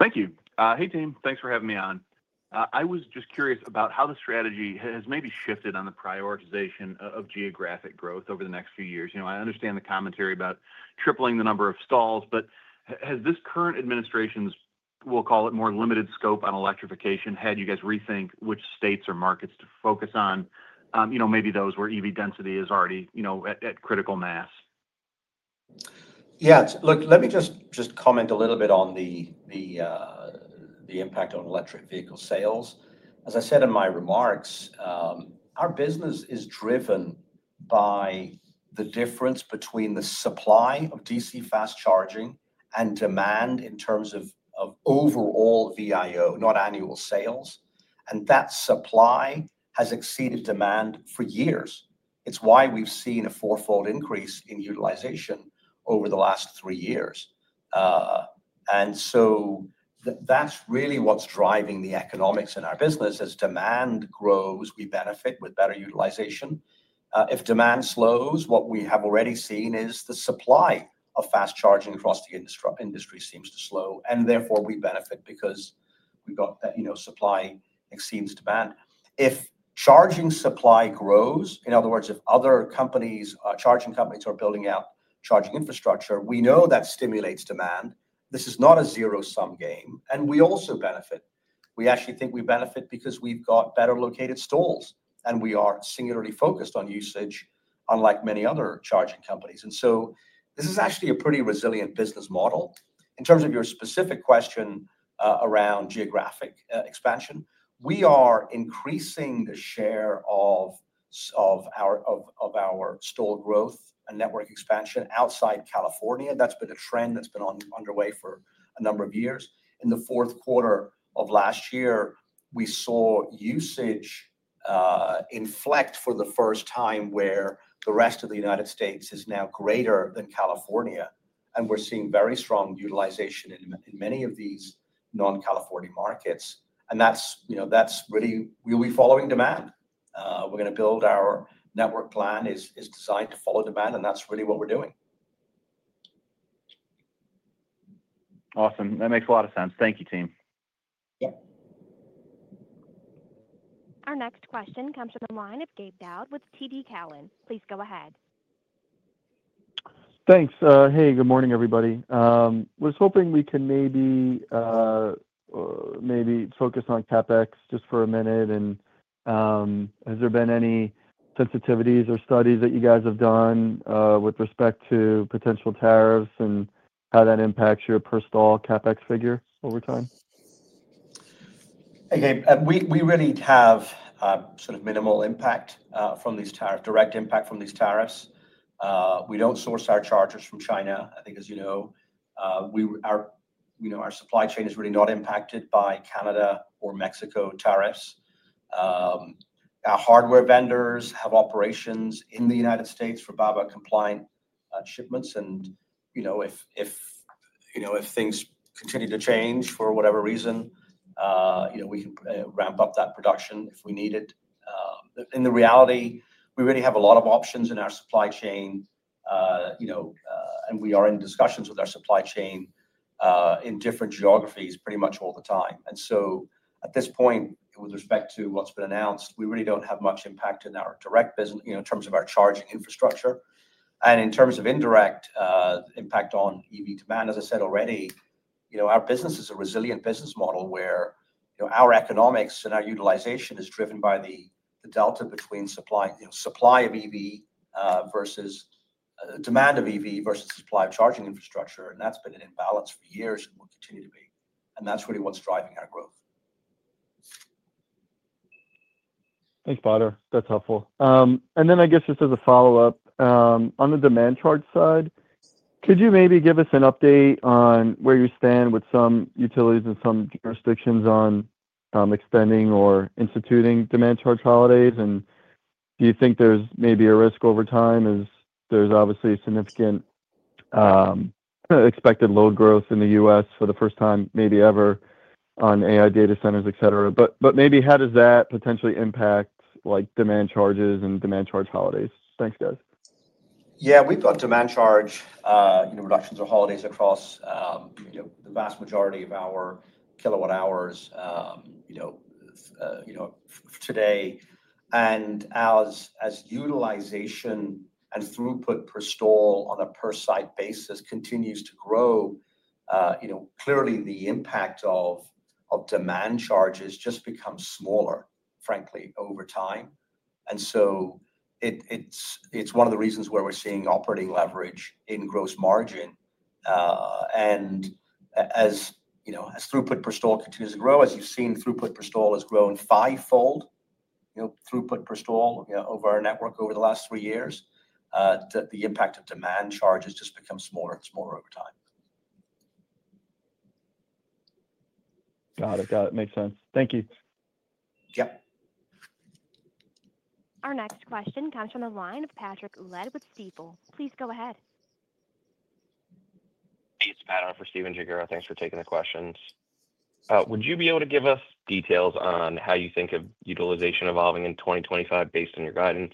Speaker 7: Thank you. Hey, team. Thanks for having me on. I was just curious about how the strategy has maybe shifted on the prioritization of geographic growth over the next few years. I understand the commentary about tripling the number of stalls, but has this current administration's, we'll call it more limited scope on electrification, had you guys rethink which states or markets to focus on, maybe those where EV density is already at critical mass?
Speaker 3: Yeah. Look, let me just comment a little bit on the impact on electric vehicle sales. As I said in my remarks, our business is driven by the difference between the supply of DC fast charging and demand in terms of overall VIO, not annual sales. That supply has exceeded demand for years. It's why we've seen a four-fold increase in utilization over the last three years. That's really what's driving the economics in our business. As demand grows, we benefit with better utilization. If demand slows, what we have already seen is the supply of fast charging across the industry seems to slow. Therefore, we benefit because we've got supply exceeds demand. If charging supply grows, in other words, if other charging companies are building out charging infrastructure, we know that stimulates demand. This is not a zero-sum game. We also benefit. We actually think we benefit because we've got better located stalls, and we are singularly focused on usage, unlike many other charging companies. This is actually a pretty resilient business model. In terms of your specific question around geographic expansion, we are increasing the share of our stall growth and network expansion outside California. That's been a trend that's been underway for a number of years. In the fourth quarter of last year, we saw usage inflect for the first time where the rest of the United States is now greater than California. We are seeing very strong utilization in many of these non-California markets. That is really—we will be following demand. We are going to build; our network plan is designed to follow demand, and that is really what we are doing.
Speaker 7: Awesome. That makes a lot of sense. Thank you, team.
Speaker 3: Yep.
Speaker 1: Our next question comes from the line of Gabe Dowd with TD Cowan. Please go ahead.
Speaker 8: Thanks. Hey, good morning, everybody. Was hoping we can maybe focus on CapEx just for a minute. Has there been any sensitivities or studies that you guys have done with respect to potential tariffs and how that impacts your per-stall CapEx figure over time?
Speaker 3: Hey, Gabe, we really have sort of minimal impact from these tariffs, direct impact from these tariffs. We don't source our chargers from China. I think, as you know, our supply chain is really not impacted by Canada or Mexico tariffs. Our hardware vendors have operations in the United States for BABA compliant shipments. If things continue to change for whatever reason, we can ramp up that production if we need it. In reality, we really have a lot of options in our supply chain, and we are in discussions with our supply chain in different geographies pretty much all the time. At this point, with respect to what's been announced, we really don't have much impact in our direct business in terms of our charging infrastructure. In terms of indirect impact on EV demand, as I said already, our business is a resilient business model where our economics and our utilization is driven by the delta between supply of EV versus demand of EV versus supply of charging infrastructure. That has been in balance for years and will continue to be. That is really what is driving our growth.
Speaker 7: Thanks, Badar. That is helpful. I guess just as a follow-up, on the demand charge side, could you maybe give us an update on where you stand with some utilities and some jurisdictions on extending or instituting demand charge holidays? Do you think there is maybe a risk over time as there is obviously significant expected load growth in the US for the first time, maybe ever, on AI data centers, etc.? How does that potentially impact demand charges and demand charge holidays? Thanks, guys.
Speaker 3: Yeah, we've got demand charge reductions or holidays across the vast majority of our kilowatt hours today. As utilization and throughput per stall on a per-site basis continues to grow, clearly the impact of demand charges just becomes smaller, frankly, over time. It is one of the reasons we're seeing operating leverage in gross margin. As throughput per stall continues to grow, as you've seen, throughput per stall has grown fivefold, throughput per stall over our network over the last three years, the impact of demand charges just becomes smaller. It's smaller over time.
Speaker 7: Got it. Got it. Makes sense. Thank you.
Speaker 3: Yep.
Speaker 1: Our next question comes from the line of Patrick Led with EVgo. Please go ahead.
Speaker 9: Hey, it's Patrick for Steven Jagura. Thanks for taking the questions. Would you be able to give us details on how you think of utilization evolving in 2025 based on your guidance?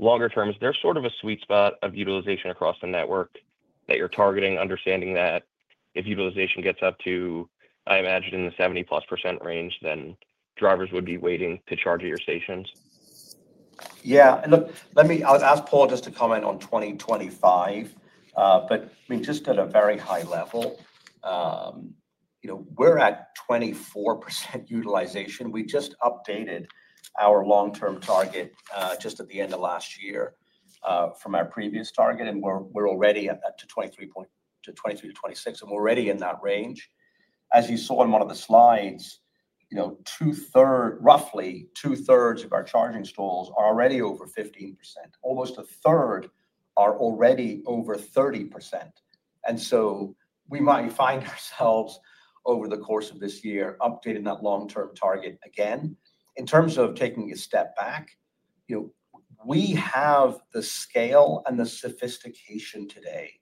Speaker 9: Longer term, there's sort of a sweet spot of utilization across the network that you're targeting, understanding that if utilization gets up to, I imagine, in the 70% plus range, then drivers would be waiting to charge at your stations?
Speaker 3: Yeah. I'll ask Paul just to comment on 2025, but I mean, just at a very high level, we're at 24% utilization. We just updated our long-term target just at the end of last year from our previous target, and we're already at that 23%-26%, and we're already in that range. As you saw in one of the slides, roughly two-thirds of our charging stalls are already over 15%. Almost a third are already over 30%. We might find ourselves over the course of this year updating that long-term target again. In terms of taking a step back, we have the scale and the sophistication today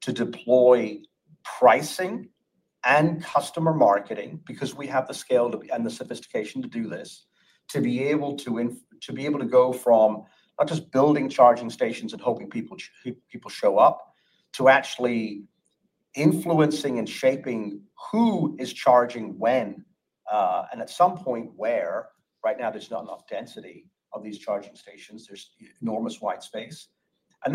Speaker 3: to deploy pricing and customer marketing because we have the scale and the sophistication to do this, to be able to go from not just building charging stations and hoping people show up, to actually influencing and shaping who is charging when and at some point where. Right now, there is not enough density of these charging stations. There is enormous white space. We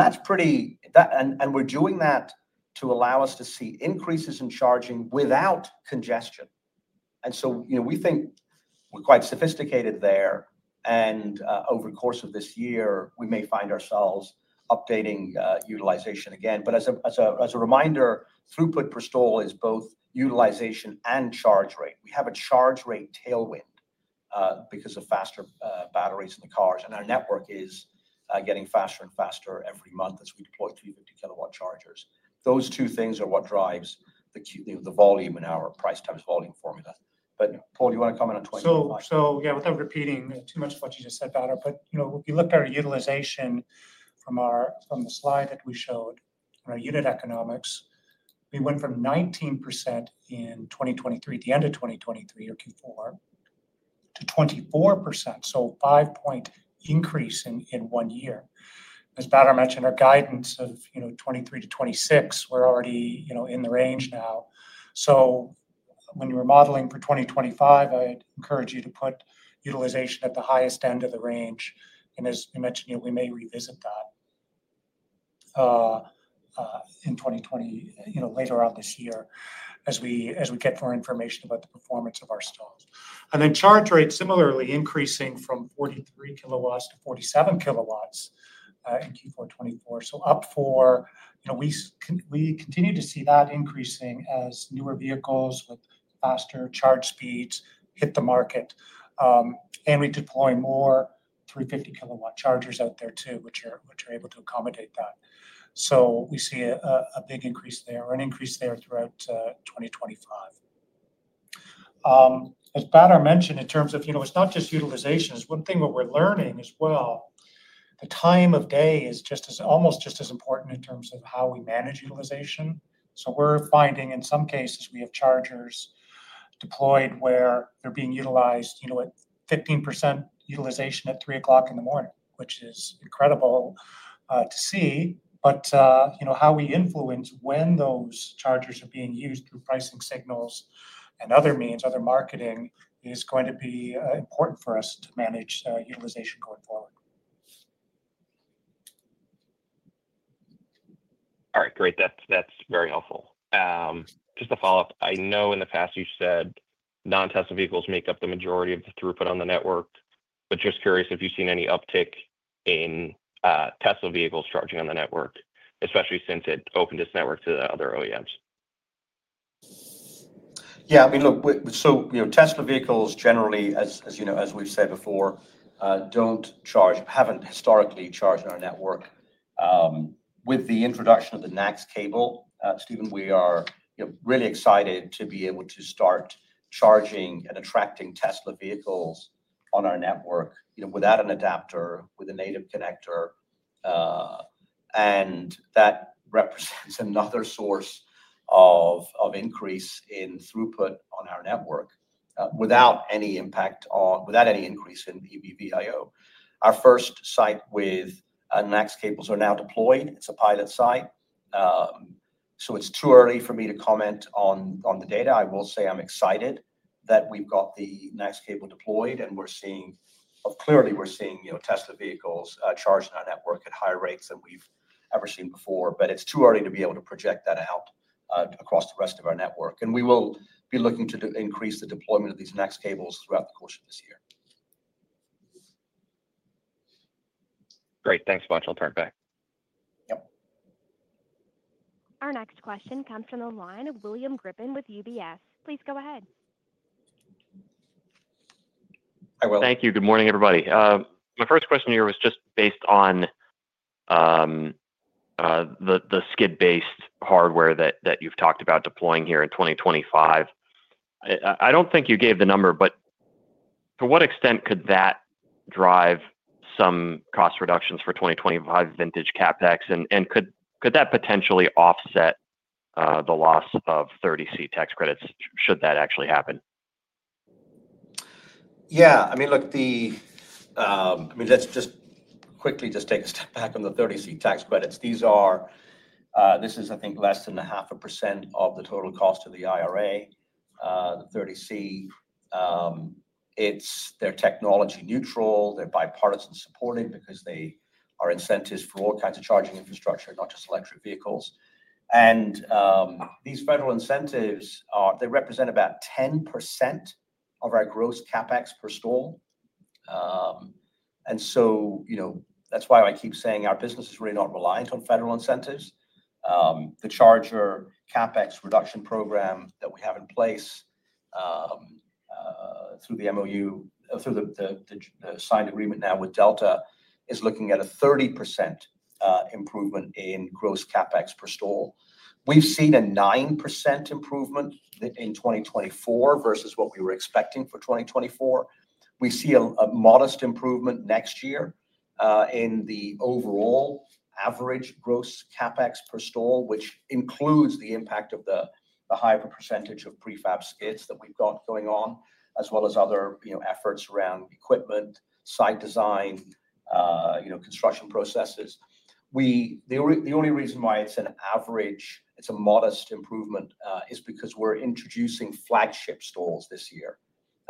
Speaker 3: are doing that to allow us to see increases in charging without congestion. We think we are quite sophisticated there. Over the course of this year, we may find ourselves updating utilization again. As a reminder, throughput per stall is both utilization and charge rate. We have a charge rate tailwind because of faster batteries in the cars. Our network is getting faster and faster every month as we deploy 350 kW chargers. Those two things are what drives the volume in our price times volume formula. Paul, do you want to comment on 2025?
Speaker 4: Yeah, without repeating too much of what you just said, Badar, if you look at our utilization from the slide that we showed on our unit economics, we went from 19% in 2023, the end of 2023 or Q4, to 24%, so a 5 percentage point increase in one year. As Badar mentioned, our guidance of 23%-26%, we're already in the range now. When you're modeling for 2025, I'd encourage you to put utilization at the highest end of the range. As we mentioned, we may revisit that later on this year as we get more information about the performance of our stalls. Charge rate similarly increasing from 43 kilowatts to 47 kilowatts in Q4 2024. Up for we continue to see that increasing as newer vehicles with faster charge speeds hit the market. We deploy more 350 kilowatt chargers out there too, which are able to accommodate that. We see a big increase there or an increase there throughout 2025. As Badar mentioned, in terms of it's not just utilization. One thing that we're learning as well, the time of day is almost just as important in terms of how we manage utilization. We're finding in some cases we have chargers deployed where they're being utilized at 15% utilization at 3:00 A.M., which is incredible to see.
Speaker 3: How we influence when those chargers are being used through pricing signals and other means, other marketing, is going to be important for us to manage utilization going forward.
Speaker 9: All right. Great. That's very helpful. Just a follow-up. I know in the past you said non-Tesla vehicles make up the majority of the throughput on the network, but just curious if you've seen any uptick in Tesla vehicles charging on the network, especially since it opened its network to other OEMs.
Speaker 3: Yeah. I mean, look, so Tesla vehicles generally, as we've said before, don't charge, haven't historically charged on our network. With the introduction of the NACS cable, Steven, we are really excited to be able to start charging and attracting Tesla vehicles on our network without an adapter, with a native connector. That represents another source of increase in throughput on our network without any impact on, without any increase in EV VIO. Our first site with NACS cables is now deployed. It is a pilot site. It is too early for me to comment on the data. I will say I am excited that we have got the NACS cable deployed, and we are seeing, clearly, we are seeing Tesla vehicles charged on our network at higher rates than we have ever seen before. It is too early to be able to project that out across the rest of our network. We will be looking to increase the deployment of these NACS cables throughout the course of this year.
Speaker 9: Great. Thanks so much. I will turn it back.
Speaker 1: Yep. Our next question comes from the line of William Griffin with UBS. Please go ahead.
Speaker 10: Hi, Will. Thank you. Good morning, everybody. My first question here was just based on the skid-based hardware that you've talked about deploying here in 2025. I don't think you gave the number, but to what extent could that drive some cost reductions for 2025 vintage CapEx? And could that potentially offset the loss of 30C tax credits should that actually happen?
Speaker 3: Yeah. I mean, look, let's just quickly just take a step back on the 30C tax credits. This is, I think, less than half a percent of the total cost of the IRA, the 30C. They're technology neutral. They're bipartisan supported because they are incentives for all kinds of charging infrastructure, not just electric vehicles. These federal incentives, they represent about 10% of our gross CapEx per stall. That's why I keep saying our business is really not reliant on federal incentives. The charger CapEx reduction program that we have in place through the MOU, through the signed agreement now with Delta, is looking at a 30% improvement in gross CapEx per stall. We've seen a 9% improvement in 2024 versus what we were expecting for 2024. We see a modest improvement next year in the overall average gross CapEx per stall, which includes the impact of the higher percentage of prefab skids that we've got going on, as well as other efforts around equipment, site design, construction processes. The only reason why it's an average, it's a modest improvement is because we're introducing flagship stalls this year.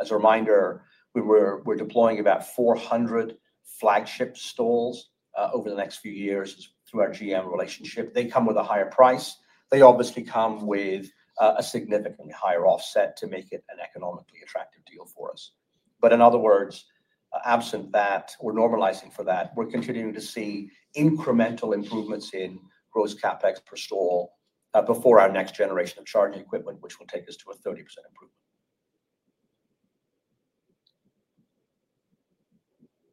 Speaker 3: As a reminder, we're deploying about 400 flagship stalls over the next few years through our GM relationship. They come with a higher price. They obviously come with a significantly higher offset to make it an economically attractive deal for us. In other words, absent that, we're normalizing for that. We're continuing to see incremental improvements in gross CapEx per stall before our next generation of charging equipment, which will take us to a 30% improvement.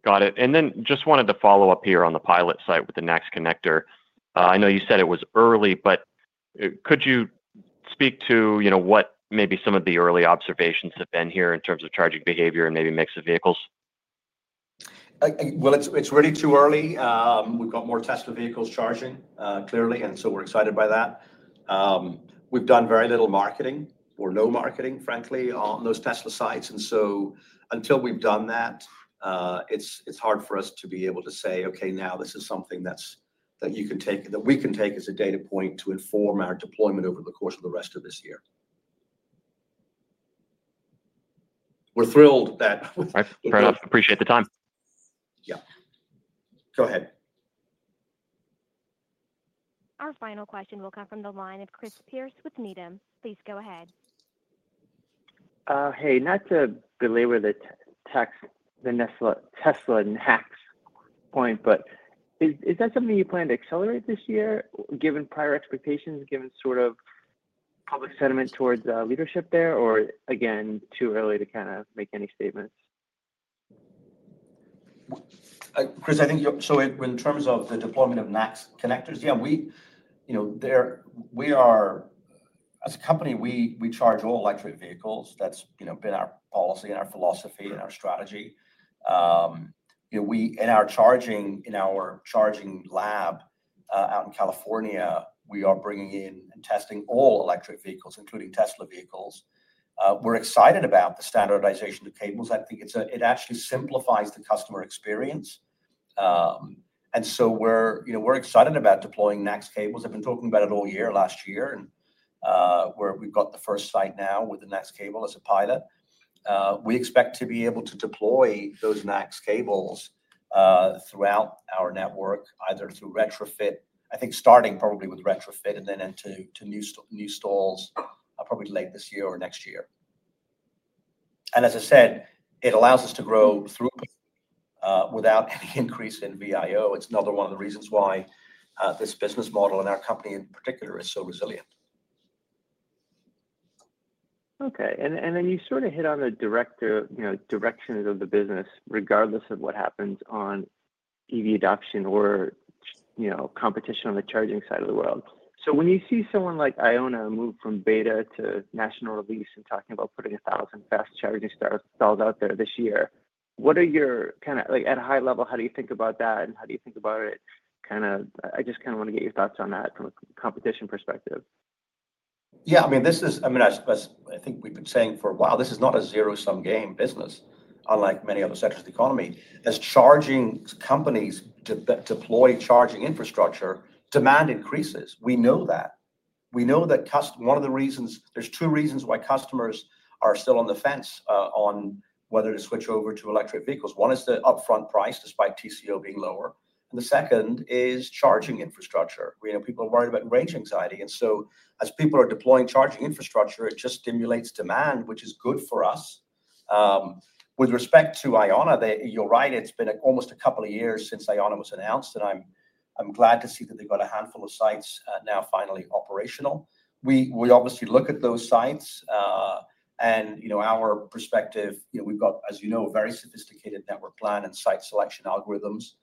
Speaker 10: Got it. I just wanted to follow up here on the pilot site with the NACS connector. I know you said it was early, but could you speak to what maybe some of the early observations have been here in terms of charging behavior and maybe mix of vehicles?
Speaker 3: It's really too early. We've got more Tesla vehicles charging, clearly, and so we're excited by that. We've done very little marketing or no marketing, frankly, on those Tesla sites. Until we've done that, it's hard for us to be able to say, "Okay, now this is something that you can take, that we can take as a data point to inform our deployment over the course of the rest of this year." We're thrilled that. All right. Appreciate the time. Yeah. Go ahead.
Speaker 1: Our final question will come from the line of Chris Pierce with Needham. Please go ahead.
Speaker 11: Hey, not to belabor the Tesla and NACS point, but is that something you plan to accelerate this year, given prior expectations, given sort of public sentiment towards leadership there, or again, too early to kind of make any statements?
Speaker 3: Chris, I think so in terms of the deployment of NACS connectors, yeah, we are as a company, we charge all electric vehicles. That's been our policy and our philosophy and our strategy. In our charging, in our charging lab out in California, we are bringing in and testing all electric vehicles, including Tesla vehicles. We're excited about the standardization of cables. I think it actually simplifies the customer experience. We're excited about deploying NACS cables. I've been talking about it all year-last-year, and we've got the first site now with the NACS cable as a pilot. We expect to be able to deploy those NACS cables throughout our network, either through retrofit, I think starting probably with retrofit and then into new stalls probably late this year or next year. As I said, it allows us to grow throughput without any increase in VIO. It's another one of the reasons why this business model and our company in particular is so resilient.
Speaker 11: Okay. You sort of hit on the directions of the business, regardless of what happens on EV adoption or competition on the charging side of the world. When you see someone like IONNA move from beta to national release and talking about putting 1,000 fast charging stalls out there this year, what are your, kind of at a high level, how do you think about that, and how do you think about it? I just kind of want to get your thoughts on that from a competition perspective.
Speaker 3: Yeah. I mean, this is, I mean, I think we've been saying for a while, this is not a zero-sum game business, unlike many other sectors of the economy. As charging companies deploy charging infrastructure, demand increases. We know that. We know that one of the reasons, there's two reasons why customers are still on the fence on whether to switch over to electric vehicles. One is the upfront price, despite TCO being lower. The second is charging infrastructure. People are worried about range anxiety. As people are deploying charging infrastructure, it just stimulates demand, which is good for us. With respect to IONNA, you're right. It's been almost a couple of years since IONNA was announced, and I'm glad to see that they've got a handful of sites now finally operational. We obviously look at those sites. In our perspective, we've got, as you know, a very sophisticated network plan and site selection algorithms.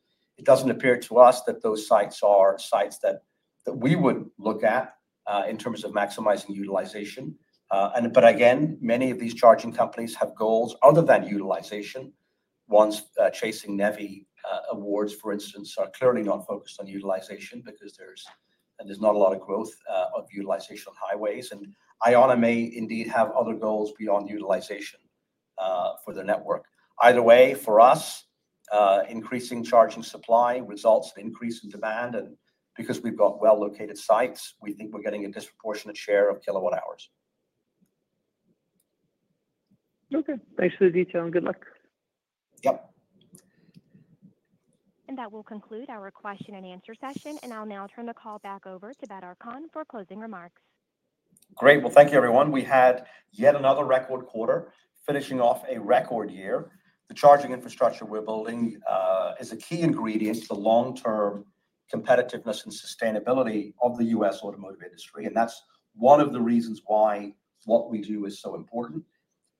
Speaker 3: It doesn't appear to us that those sites are sites that we would look at in terms of maximizing utilization. Again, many of these charging companies have goals other than utilization. Ones chasing NEVI awards, for instance, are clearly not focused on utilization because there's not a lot of growth of utilization on highways. And IONNA may indeed have other goals beyond utilization for their network. Either way, for us, increasing charging supply results in an increase in demand. Because we've got well-located sites, we think we're getting a disproportionate share of kilowatt hours.
Speaker 11: Okay. Thanks for the detail and good luck.
Speaker 3: Yep.
Speaker 1: That will conclude our question and answer session. I'll now turn the call back over to Badar Khan for closing remarks.
Speaker 3: Great. Thank you, everyone. We had yet another record quarter, finishing off a record year. The charging infrastructure we're building is a key ingredient to the long-term competitiveness and sustainability of the US automotive industry. That's one of the reasons why what we do is so important.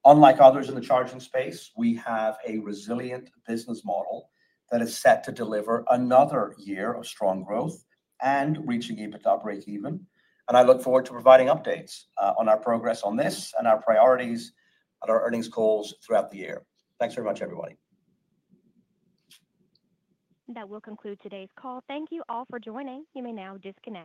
Speaker 3: Unlike others in the charging space, we have a resilient business model that is set to deliver another year of strong growth and reaching EBITDA break-even. I look forward to providing updates on our progress on this and our priorities at our earnings calls throughout the year. Thanks very much, everybody. That will conclude today's call. Thank you all for joining. You may now disconnect.